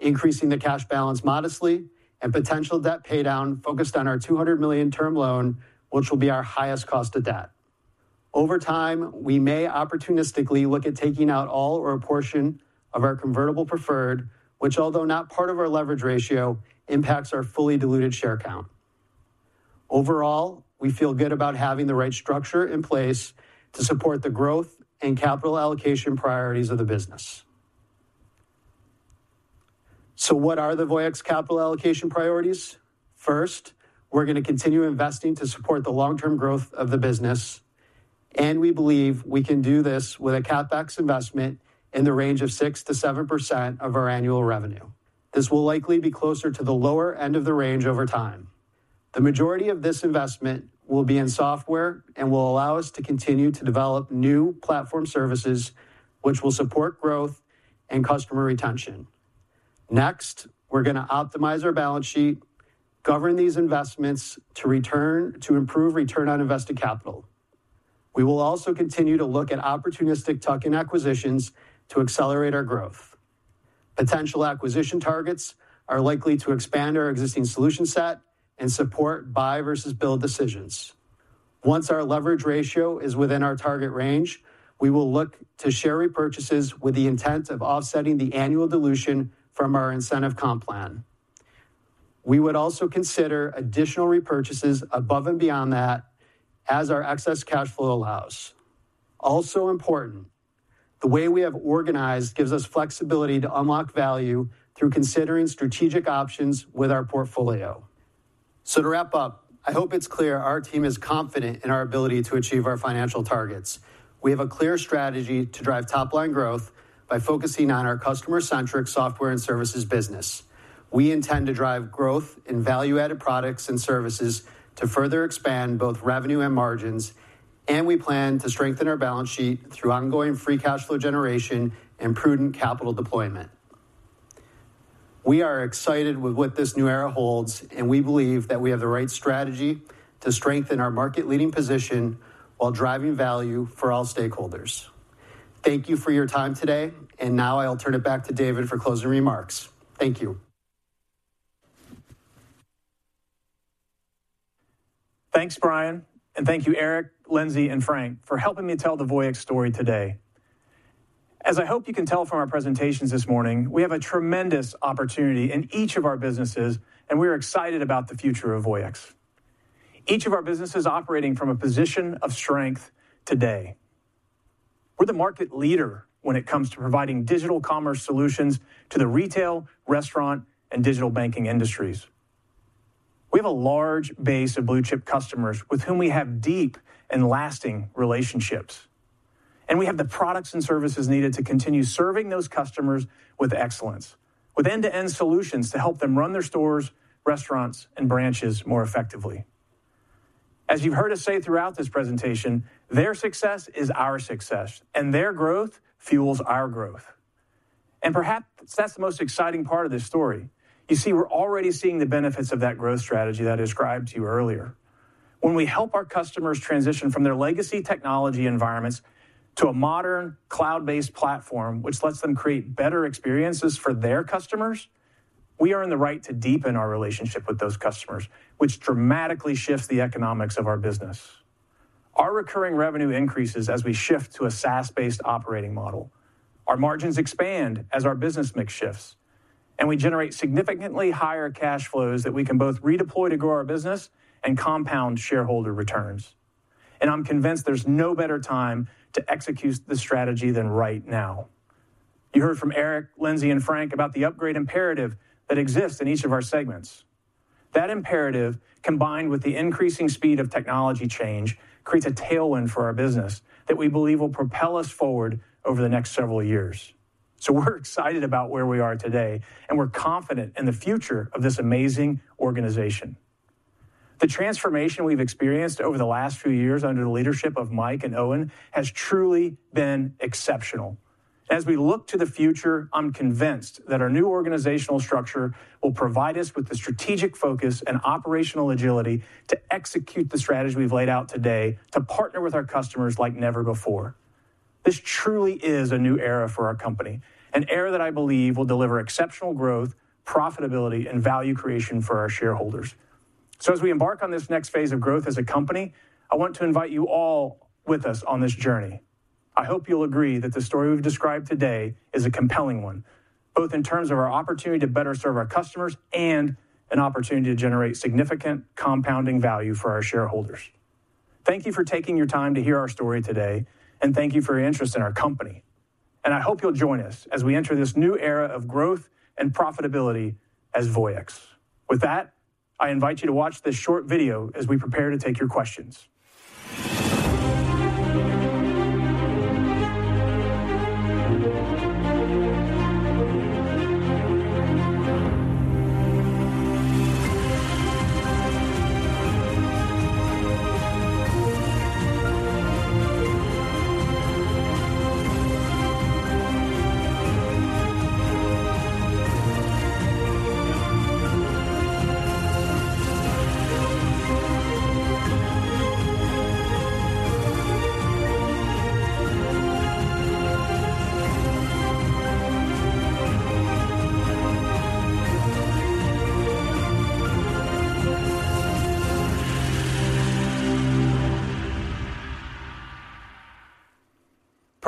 increasing the cash balance modestly, and potential debt paydown focused on our $200 million term loan, which will be our highest cost of debt. Over time, we may opportunistically look at taking out all or a portion of our convertible preferred, which although not part of our leverage ratio, impacts our fully diluted share count. Overall, we feel good about having the right structure in place to support the growth and capital allocation priorities of the business. So what are the Voyix capital allocation priorities? First, we're gonna continue investing to support the long-term growth of the business, and we believe we can do this with a CapEx investment in the range of 6%-7% of our annual revenue. This will likely be closer to the lower end of the range over time. The majority of this investment will be in software and will allow us to continue to develop new platform services, which will support growth and customer retention. Next, we're gonna optimize our balance sheet, govern these investments to improve return on invested capital. We will also continue to look at opportunistic tuck-in acquisitions to accelerate our growth. Potential acquisition targets are likely to expand our existing solution set and support buy versus build decisions. Once our leverage ratio is within our target range, we will look to share repurchases with the intent of offsetting the annual dilution from our incentive comp plan. We would also consider additional repurchases above and beyond that as our excess cash flow allows. Also important, the way we have organized gives us flexibility to unlock value through considering strategic options with our portfolio. So to wrap up, I hope it's clear our team is confident in our ability to achieve our financial targets. We have a clear strategy to drive top-line growth by focusing on our customer-centric software and services business. We intend to drive growth in value-added products and services to further expand both revenue and margins, and we plan to strengthen our balance sheet through ongoing free cash flow generation and prudent capital deployment. We are excited with what this new era holds, and we believe that we have the right strategy to strengthen our market-leading position while driving value for all stakeholders. Thank you for your time today, and now I will turn it back to David for closing remarks. Thank you. Thanks, Brian, and thank you, Eric, Lindsay, and Frank, for helping me tell the Voyix story today. As I hope you can tell from our presentations this morning, we have a tremendous opportunity in each of our businesses, and we are excited about the future of Voyix. Each of our businesses operating from a position of strength today. We're the market leader when it comes to providing digital commerce solutions to the retail, restaurant, and digital banking industries. We have a large base of blue-chip customers with whom we have deep and lasting relationships, and we have the products and services needed to continue serving those customers with excellence, with end-to-end solutions to help them run their stores, restaurants, and branches more effectively. As you've heard us say throughout this presentation, their success is our success, and their growth fuels our growth. Perhaps that's the most exciting part of this story. You see, we're already seeing the benefits of that growth strategy that I described to you earlier. When we help our customers transition from their legacy technology environments to a modern, cloud-based platform, which lets them create better experiences for their customers, we earn the right to deepen our relationship with those customers, which dramatically shifts the economics of our business. Our recurring revenue increases as we shift to a SaaS-based operating model. Our margins expand as our business mix shifts, and we generate significantly higher cash flows that we can both redeploy to grow our business and compound shareholder returns. And I'm convinced there's no better time to execute this strategy than right now. You heard from Eric, Lindsay, and Frank about the upgrade imperative that exists in each of our segments. That imperative, combined with the increasing speed of technology change, creates a tailwind for our business that we believe will propel us forward over the next several years. So we're excited about where we are today, and we're confident in the future of this amazing organization. The transformation we've experienced over the last few years under the leadership of Mike and Owen has truly been exceptional. As we look to the future, I'm convinced that our new organizational structure will provide us with the strategic focus and operational agility to execute the strategy we've laid out today to partner with our customers like never before. This truly is a new era for our company, an era that I believe will deliver exceptional growth, profitability, and value creation for our shareholders. So as we embark on this next phase of growth as a company, I want to invite you all with us on this journey. I hope you'll agree that the story we've described today is a compelling one, both in terms of our opportunity to better serve our customers and an opportunity to generate significant compounding value for our shareholders. Thank you for taking your time to hear our story today, and thank you for your interest in our company, and I hope you'll join us as we enter this new era of growth and profitability as Voyix. With that, I invite you to watch this short video as we prepare to take your questions.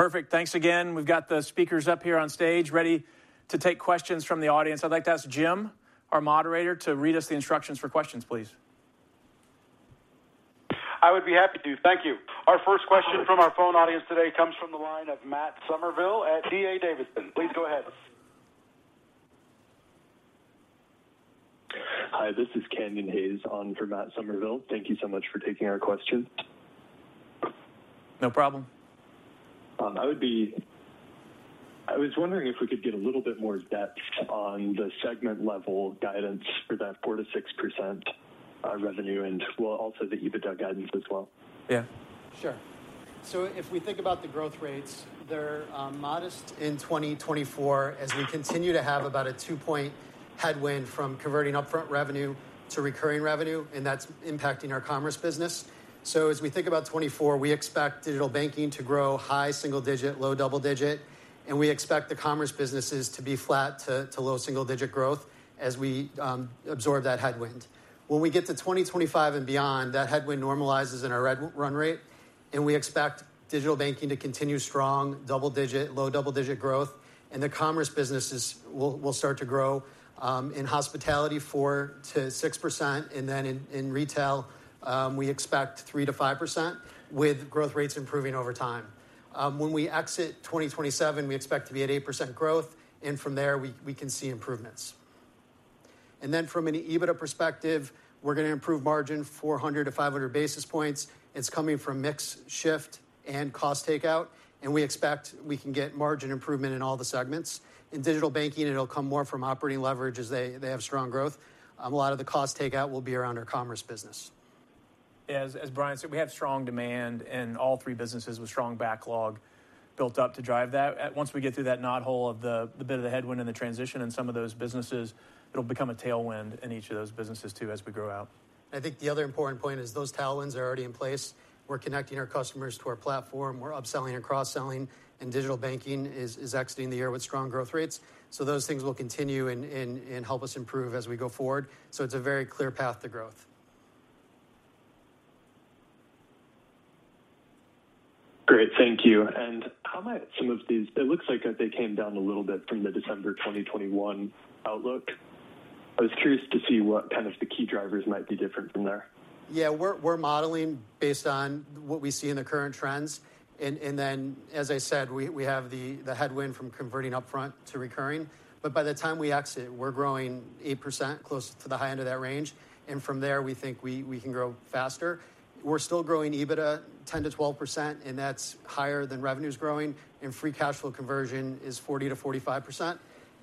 Perfect. Thanks again. We've got the speakers up here on stage, ready to take questions from the audience. I'd like to ask Jim, our moderator, to read us the instructions for questions, please. I would be happy to. Thank you. Our first question from our phone audience today comes from the line of Matt Somerville at D.A. Davidson. Please go ahead. Hi, this is Keegan Cox on for Matt Somerville. Thank you so much for taking our question. No problem. I was wondering if we could get a little bit more depth on the segment-level guidance for that 4%-6% revenue and, well, also the EBITDA guidance as well? Yeah. Sure. So if we think about the growth rates, they're modest in 2024 as we continue to have about a 2-point headwind from converting upfront revenue to recurring revenue, and that's impacting our commerce business. So as we think about 2024, we expect digital banking to grow high single-digit, low double-digit, and we expect the commerce businesses to be flat to low single-digit growth as we absorb that headwind. When we get to 2025 and beyond, that headwind normalizes in our run rate, and we expect digital banking to continue strong double-digit, low double-digit growth, and the commerce businesses will start to grow in hospitality 4%-6%, and then in retail, we expect 3%-5%, with growth rates improving over time. When we exit 2027, we expect to be at 8% growth, and from there, we, we can see improvements. Then from an EBITDA perspective, we're going to improve margin 400-500 basis points. It's coming from mix shift and cost takeout, and we expect we can get margin improvement in all the segments. In digital banking, it'll come more from operating leverage as they, they have strong growth. A lot of the cost takeout will be around our commerce business. As Brian said, we have strong demand in all three businesses with strong backlog built up to drive that. Once we get through that knothole of the bit of the headwind and the transition in some of those businesses, it'll become a tailwind in each of those businesses, too, as we grow out. I think the other important point is those tailwinds are already in place. We're connecting our customers to our platform. We're upselling and cross-selling, and digital banking is exiting the year with strong growth rates. So those things will continue and help us improve as we go forward. So it's a very clear path to growth. Great. Thank you. And how might some of these... It looks like they came down a little bit from the December 2021 outlook. I was curious to see what kind of the key drivers might be different from there. Yeah. We're modeling based on what we see in the current trends, and then, as I said, we have the headwind from converting upfront to recurring, but by the time we exit, we're growing 8%, close to the high end of that range, and from there, we think we can grow faster. We're still growing EBITDA 10%-12%, and that's higher than revenue's growing, and free cash flow conversion is 40%-45%,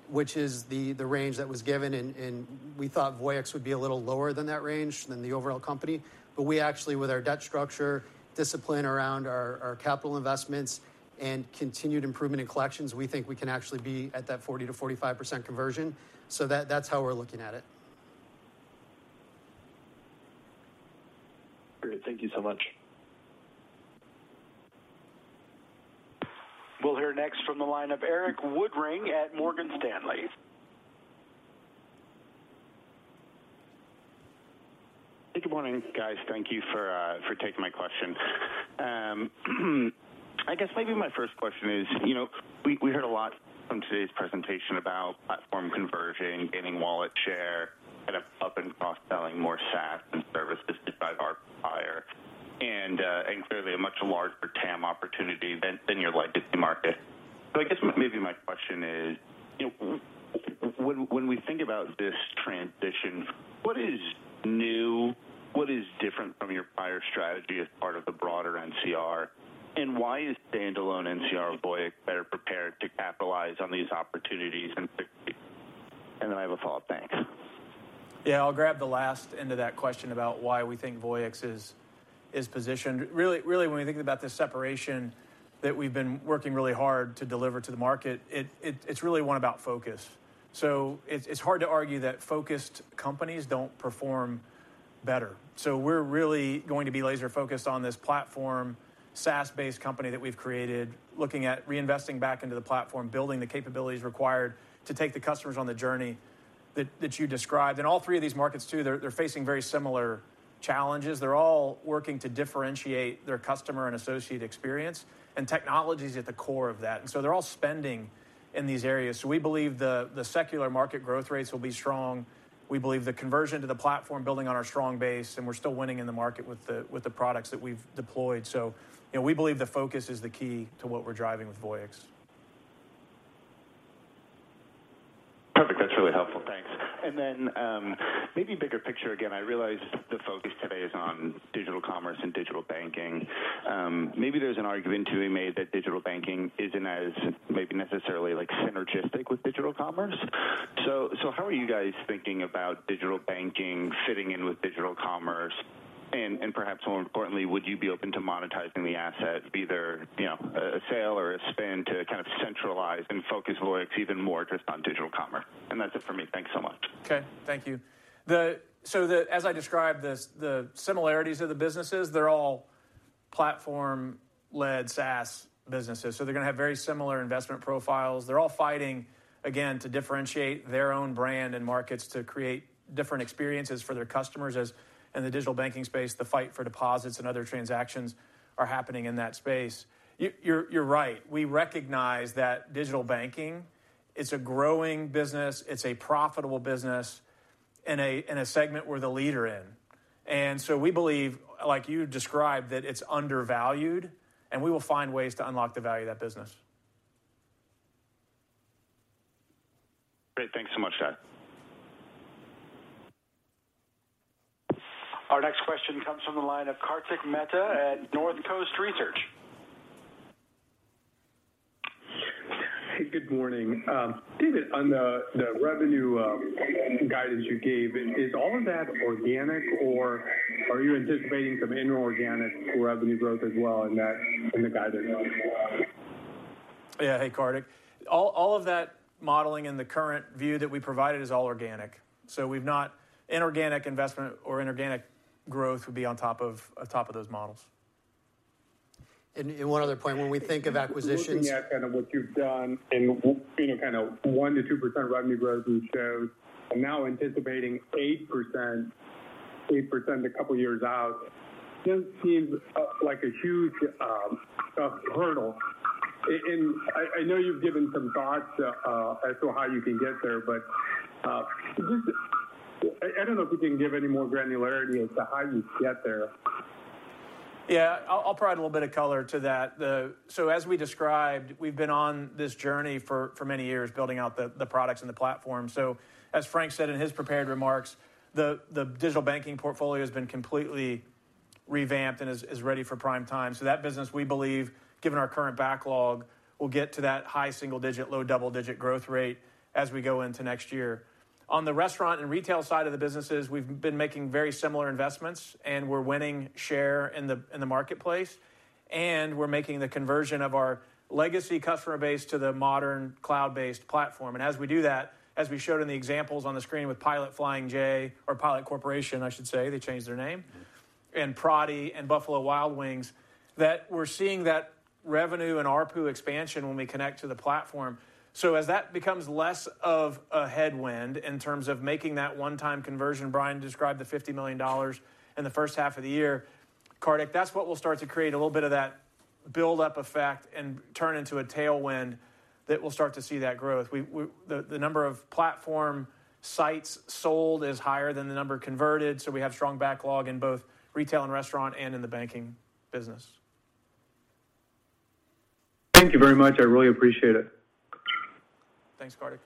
which is the range that was given, and we thought Voyix would be a little lower than that range than the overall company. But we actually, with our debt structure, discipline around our capital investments, and continued improvement in collections, we think we can actually be at that 40%-45% conversion. So that's how we're looking at it. Great. Thank you so much. We'll hear next from the line of Erik Woodring at Morgan Stanley. Good morning, guys. Thank you for taking my question. I guess maybe my first question is, you know, we heard a lot from today's presentation about platform conversion, gaining wallet share, kind of up- and cross-selling more SaaS and services by our buyer, and clearly a much larger TAM opportunity than your legacy market. So I guess maybe my question is, you know, when we think about this transition, what is new, what is different from your prior strategy as part of the broader NCR, and why is standalone NCR Voyix better prepared to capitalize on these opportunities? And then I have a follow-up. Thanks. Yeah, I'll grab the last end of that question about why we think Voyix is positioned. Really, when we think about this separation that we've been working really hard to deliver to the market, it's really one about focus. So it's hard to argue that focused companies don't perform better. So we're really going to be laser-focused on this platform, SaaS-based company that we've created, looking at reinvesting back into the platform, building the capabilities required to take the customers on the journey that you described. And all three of these markets, too, they're facing very similar challenges. They're all working to differentiate their customer and associate experience, and technology's at the core of that. And so they're all spending in these areas. So we believe the secular market growth rates will be strong. We believe the conversion to the platform, building on our strong base, and we're still winning in the market with the products that we've deployed. So, you know, we believe the focus is the key to what we're driving with Voyix. Perfect. That's really helpful. Thanks. And then, maybe bigger picture again, I realize the focus today is on digital commerce and digital banking. Maybe there's an argument to be made that digital banking isn't as, maybe necessarily, like, synergistic with digital commerce. So, how are you guys thinking about digital banking fitting in with digital commerce? And, perhaps more importantly, would you be open to monetizing the asset, be there, you know, a, a sale or a spin to kind of centralize and focus Voyix even more just on digital commerce? And that's it for me. Thanks so much. Okay, thank you. So the, as I described this, the similarities of the businesses, they're all platform-led SaaS businesses, so they're going to have very similar investment profiles. They're all fighting, again, to differentiate their own brand and markets, to create different experiences for their customers, as in the digital banking space, the fight for deposits and other transactions are happening in that space. You're right. We recognize that digital banking, it's a growing business, it's a profitable business, and in a segment we're the leader in. And so we believe, like you described, that it's undervalued, and we will find ways to unlock the value of that business. Great. Thanks so much, guys. Our next question comes from the line of Kartik Mehta at Northcoast Research. Hey, good morning. David, on the revenue guidance you gave, is all of that organic, or are you anticipating some inorganic revenue growth as well in that guidance? Yeah. Hey, Kartik. All of that modeling in the current view that we provided is all organic, so we've not... Inorganic investment or inorganic growth would be on top of, atop of those models. And one other point, when we think of acquisitions- Looking at kind of what you've done and seeing a kind of 1%-2% revenue growth in '24 and now anticipating 8%, 8% a couple years out, just seems like a huge hurdle. I know you've given some thoughts as to how you can get there, but I don't know if you can give any more granularity as to how you get there. Yeah, I'll, I'll provide a little bit of color to that. The. So as we described, we've been on this journey for, for many years, building out the, the products and the platform. So as Frank said in his prepared remarks, the, the digital banking portfolio has been completely revamped and is, is ready for prime time. So that business, we believe, given our current backlog, will get to that high single-digit, low double-digit growth rate as we go into next year. On the restaurant and retail side of the businesses, we've been making very similar investments, and we're winning share in the, in the marketplace, and we're making the conversion of our legacy customer base to the modern cloud-based platform. As we do that, as we showed in the examples on the screen with Pilot Flying J, or Pilot Corporation, I should say, they changed their name- and Prati and Buffalo Wild Wings, that we're seeing that revenue and ARPU expansion when we connect to the platform. So as that becomes less of a headwind in terms of making that one-time conversion, Brian described the $50 million in the first half of the year, Kartik, that's what will start to create a little bit of that build-up effect and turn into a tailwind that we'll start to see that growth. We, the number of platform sites sold is higher than the number converted, so we have strong backlog in both retail and restaurant and in the banking business. Thank you very much. I really appreciate it. Thanks, Kartik.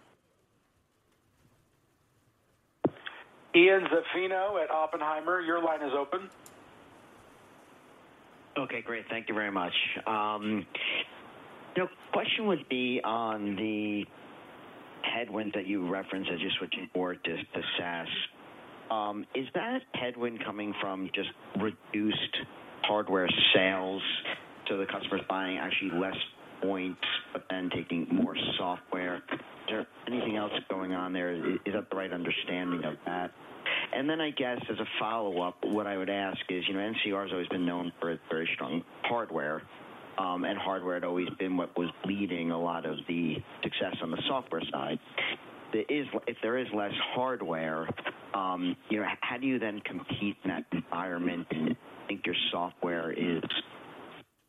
Ian Zaffino at Oppenheimer, your line is open. Okay, great. Thank you very much. The question would be on the headwind that you referenced as you're switching more to SaaS. Is that headwind coming from just reduced hardware sales to the customers buying actually less points, but then taking more software? Is there anything else going on there? Is that the right understanding of that? And then, I guess, as a follow-up, what I would ask is, you know, NCR has always been known for its very strong hardware, and hardware had always been what was leading a lot of the success on the software side. If there is less hardware, you know, how do you then compete in that environment, and you think your software is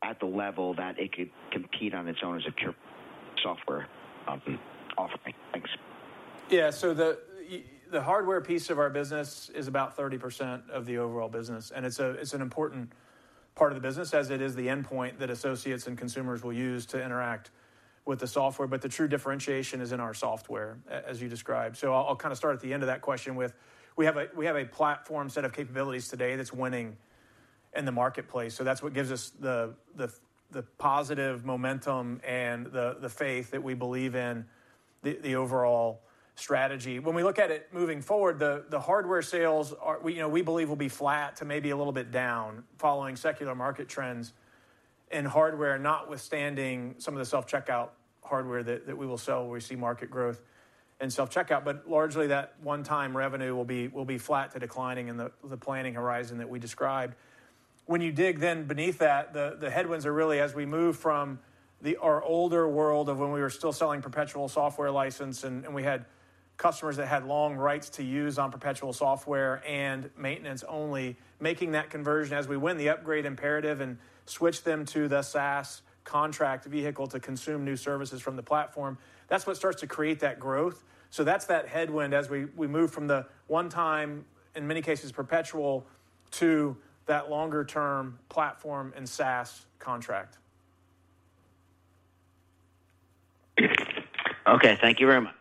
at the level that it could compete on its own as a pure software offering? Thanks. Yeah, so the hardware piece of our business is about 30% of the overall business, and it's an important part of the business, as it is the endpoint that associates and consumers will use to interact with the software. But the true differentiation is in our software, as you described. So I'll kind of start at the end of that question with, we have a platform set of capabilities today that's winning in the marketplace. So that's what gives us the positive momentum and the faith that we believe in the overall strategy. When we look at it moving forward, the hardware sales are... We, you know, we believe will be flat to maybe a little bit down, following secular market trends and hardware, notwithstanding some of the self-checkout hardware that we will sell, where we see market growth in self-checkout. But largely, that one-time revenue will be flat to declining in the planning horizon that we described. When you dig then beneath that, the headwinds are really as we move from our older world of when we were still selling perpetual software license, and we had customers that had long rights to use on perpetual software and maintenance only, making that conversion as we win the upgrade imperative and switch them to the SaaS contract vehicle to consume new services from the platform, that's what starts to create that growth. So that's that headwind as we move from the one-time, in many cases, perpetual to that longer-term platform and SaaS contract. Okay, thank you very much.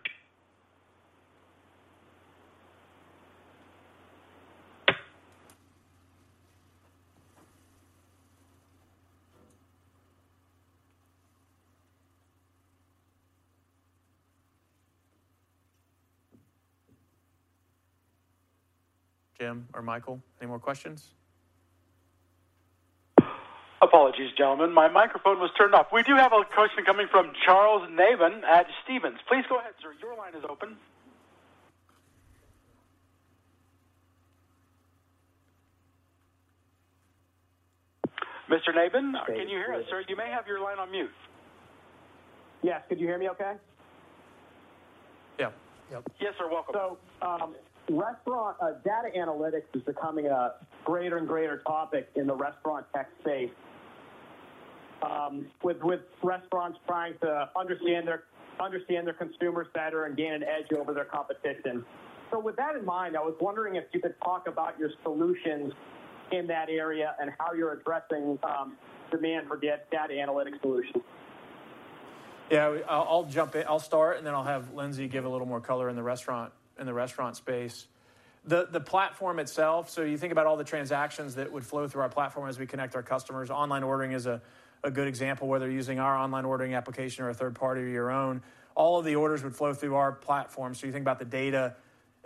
Jim or Michael, any more questions? Apologies, gentlemen. My microphone was turned off. We do have a question coming from Charles Nabhan at Stephens. Please go ahead, sir. Your line is open. Mr. Navan, can you hear us, sir? You may have your line on mute. Yes. Could you hear me okay? Yeah. Yep. Yes, sir. Welcome. Restaurant data analytics is becoming a greater and greater topic in the restaurant tech space, with restaurants trying to understand their consumers better and gain an edge over their competition. With that in mind, I was wondering if you could talk about your solutions in that area and how you're addressing demand for data analytics solutions. Yeah, I'll jump in. I'll start, and then I'll have Lindsay give a little more color in the restaurant space. The platform itself, so you think about all the transactions that would flow through our platform as we connect our customers. Online ordering is a good example, whether you're using our online ordering application or a third party or your own. All of the orders would flow through our platform. So you think about the data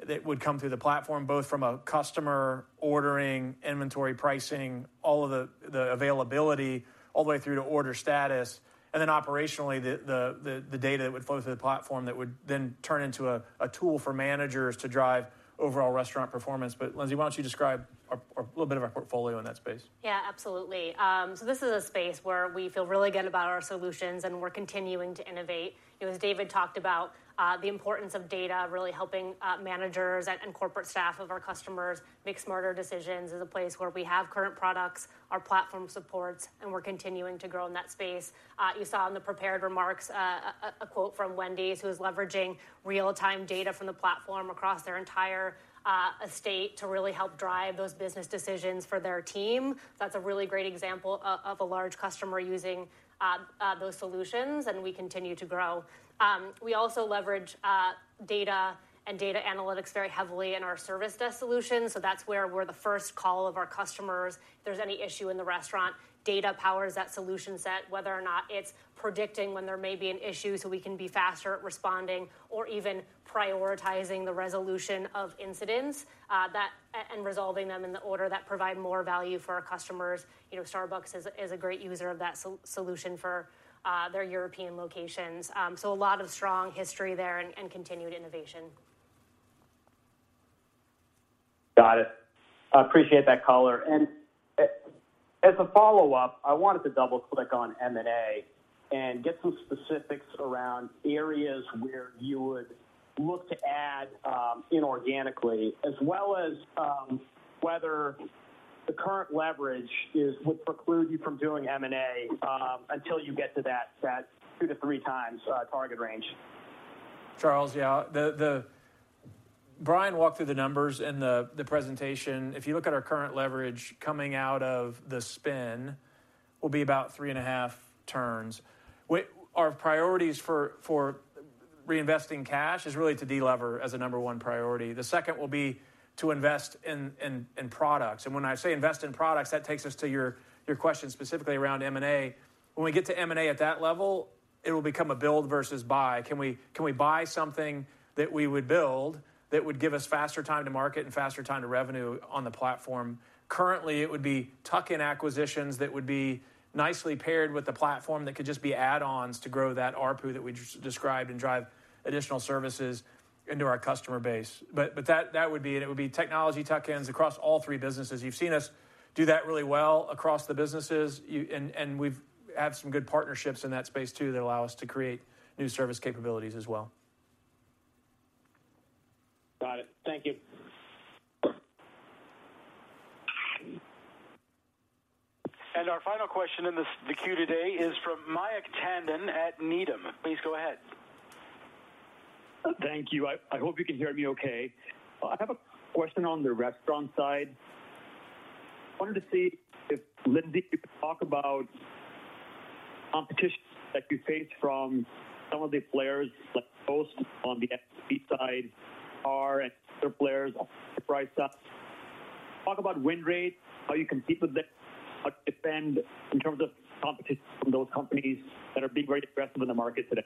that would come through the platform, both from a customer ordering, inventory, pricing, all of the availability, all the way through to order status, and then operationally, the data that would flow through the platform that would then turn into a tool for managers to drive overall restaurant performance. But Lindsay, why don't you describe a little bit of our portfolio in that space? Yeah, absolutely. So this is a space where we feel really good about our solutions, and we're continuing to innovate. You know, as David talked about, the importance of data, really helping managers and corporate staff of our customers make smarter decisions, is a place where we have current products our platform supports, and we're continuing to grow in that space. You saw in the prepared remarks, a quote from Wendy's, who is leveraging real-time data from the platform across their entire estate to really help drive those business decisions for their team. That's a really great example of a large customer using those solutions, and we continue to grow. We also leverage data and data analytics very heavily in our service desk solution. So that's where we're the first call of our customers. If there's any issue in the restaurant, data PARs that solution set, whether or not it's predicting when there may be an issue, so we can be faster at responding or even prioritizing the resolution of incidents, that and resolving them in the order that provide more value for our customers. You know, Starbucks is a great user of that solution for their European locations. So a lot of strong history there and continued innovation. Got it. I appreciate that color. And as a follow-up, I wanted to double-click on M&A and get some specifics around areas where you would look to add inorganically, as well as whether the current leverage is would preclude you from doing M&A until you get to that 2-3 times target range. Charles, yeah, Brian walked through the numbers in the presentation. If you look at our current leverage coming out of the spin, it will be about 3.5 turns. Our priorities for reinvesting cash is really to delever as number one priority. The second will be to invest in products. And when I say invest in products, that takes us to your question specifically around M&A. When we get to M&A at that level, it will become a build versus buy. Can we buy something that we would build that would give us faster time to market and faster time to revenue on the platform? Currently, it would be tuck-in acquisitions that would be nicely paired with the platform that could just be add-ons to grow that ARPU that we just described and drive additional services into our customer base. But that would be it. It would be technology tuck-ins across all three businesses. You've seen us do that really well across the businesses, and we've had some good partnerships in that space, too, that allow us to create new service capabilities as well. Got it. Thank you. Our final question in the queue today is from Mayank Tandon at Needham. Please go ahead. Thank you. I hope you can hear me okay. I have a question on the restaurant side. I wanted to see if, Lindsay, you could talk about competition that you face from some of the players, like Toast, on the POS side, and other players on the POS side. Talk about win rate, how you compete with them, how to defend in terms of competition from those companies that are being very aggressive in the market today?...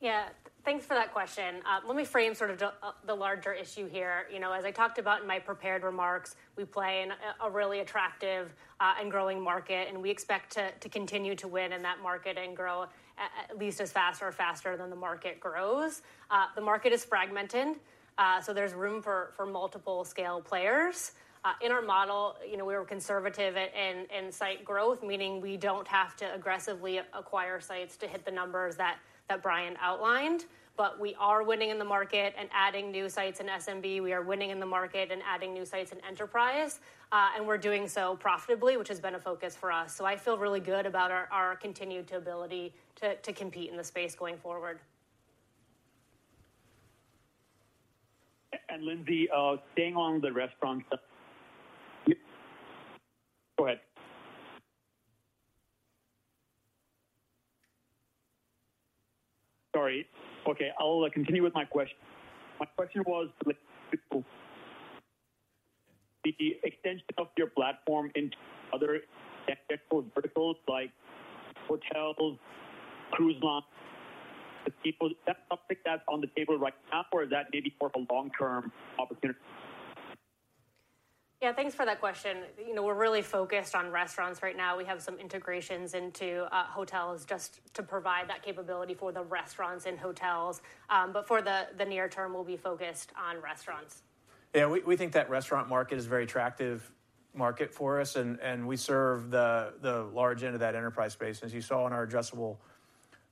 Yeah, thanks for that question. Let me frame sort of the, the larger issue here. You know, as I talked about in my prepared remarks, we play in a, a really attractive, and growing market, and we expect to continue to win in that market and grow at least as fast or faster than the market grows. The market is fragmented, so there's room for multiple scale players. In our model, you know, we were conservative in site growth, meaning we don't have to aggressively acquire sites to hit the numbers that Brian outlined. But we are winning in the market and adding new sites in SMB. We are winning in the market and adding new sites in enterprise, and we're doing so profitably, which has been a focus for us. I feel really good about our continued ability to compete in the space going forward. And Lindsay, staying on the restaurant- Go ahead. Sorry. Okay, I'll continue with my question. My question was, like, the extension of your platform into other technical verticals like hotels, cruise lines, people. Is that topic that's on the table right now, or is that maybe more of a long-term opportunity? Yeah, thanks for that question. You know, we're really focused on restaurants right now. We have some integrations into hotels just to provide that capability for the restaurants and hotels. But for the near term, we'll be focused on restaurants. Yeah, we think that restaurant market is a very attractive market for us, and we serve the large end of that enterprise space. As you saw in our addressable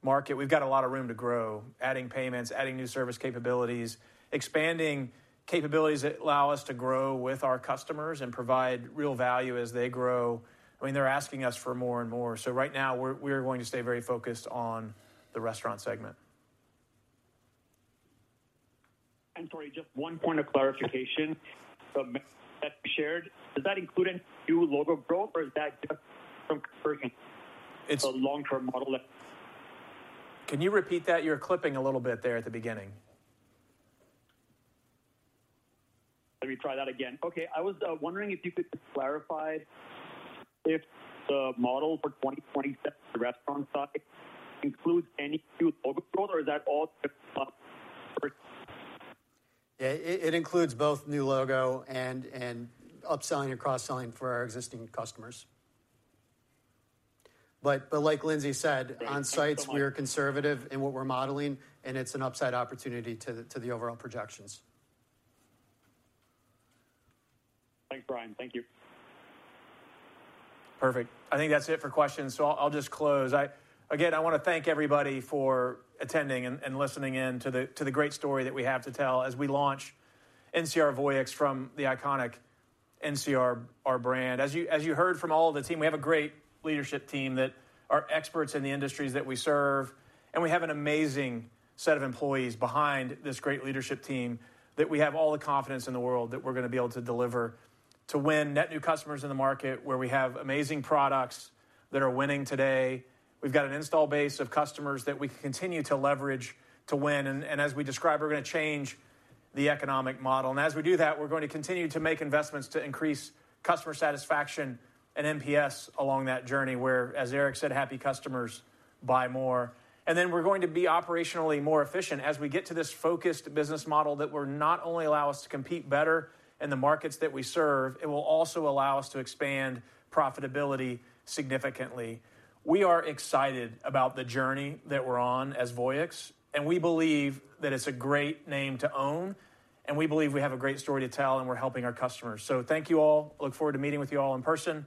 market, we've got a lot of room to grow, adding payments, adding new service capabilities, expanding capabilities that allow us to grow with our customers and provide real value as they grow. I mean, they're asking us for more and more. So right now we're going to stay very focused on the restaurant segment. Sorry, just one point of clarification. The math that you shared, does that include a new logo growth, or is that just from conversion? It's- the long-term model? Can you repeat that? You're clipping a little bit there at the beginning. Let me try that again. Okay. I was wondering if you could clarify if the model for 2027, the restaurant side, includes any new logo growth, or is that all- Yeah, it includes both new logo and upselling and cross-selling for our existing customers. But like Lindsay said, on sites, we are conservative in what we're modeling, and it's an upside opportunity to the overall projections. Thanks, Brian. Thank you. Perfect. I think that's it for questions, so I'll, I'll just close. I. Again, I wanna thank everybody for attending and, and listening in to the, to the great story that we have to tell as we launch NCR Voyix from the iconic NCR, our brand. As you, as you heard from all of the team, we have a great leadership team that are experts in the industries that we serve, and we have an amazing set of employees behind this great leadership team, that we have all the confidence in the world that we're gonna be able to deliver to win net new customers in the market, where we have amazing products that are winning today. We've got an install base of customers that we can continue to leverage to win, and, and as we described, we're gonna change the economic model. As we do that, we're going to continue to make investments to increase customer satisfaction and NPS along that journey, where, as Eric said, "Happy customers buy more." Then we're going to be operationally more efficient as we get to this focused business model, that will not only allow us to compete better in the markets that we serve, it will also allow us to expand profitability significantly. We are excited about the journey that we're on as Voyix, and we believe that it's a great name to own, and we believe we have a great story to tell, and we're helping our customers. So thank you all. I look forward to meeting with you all in person.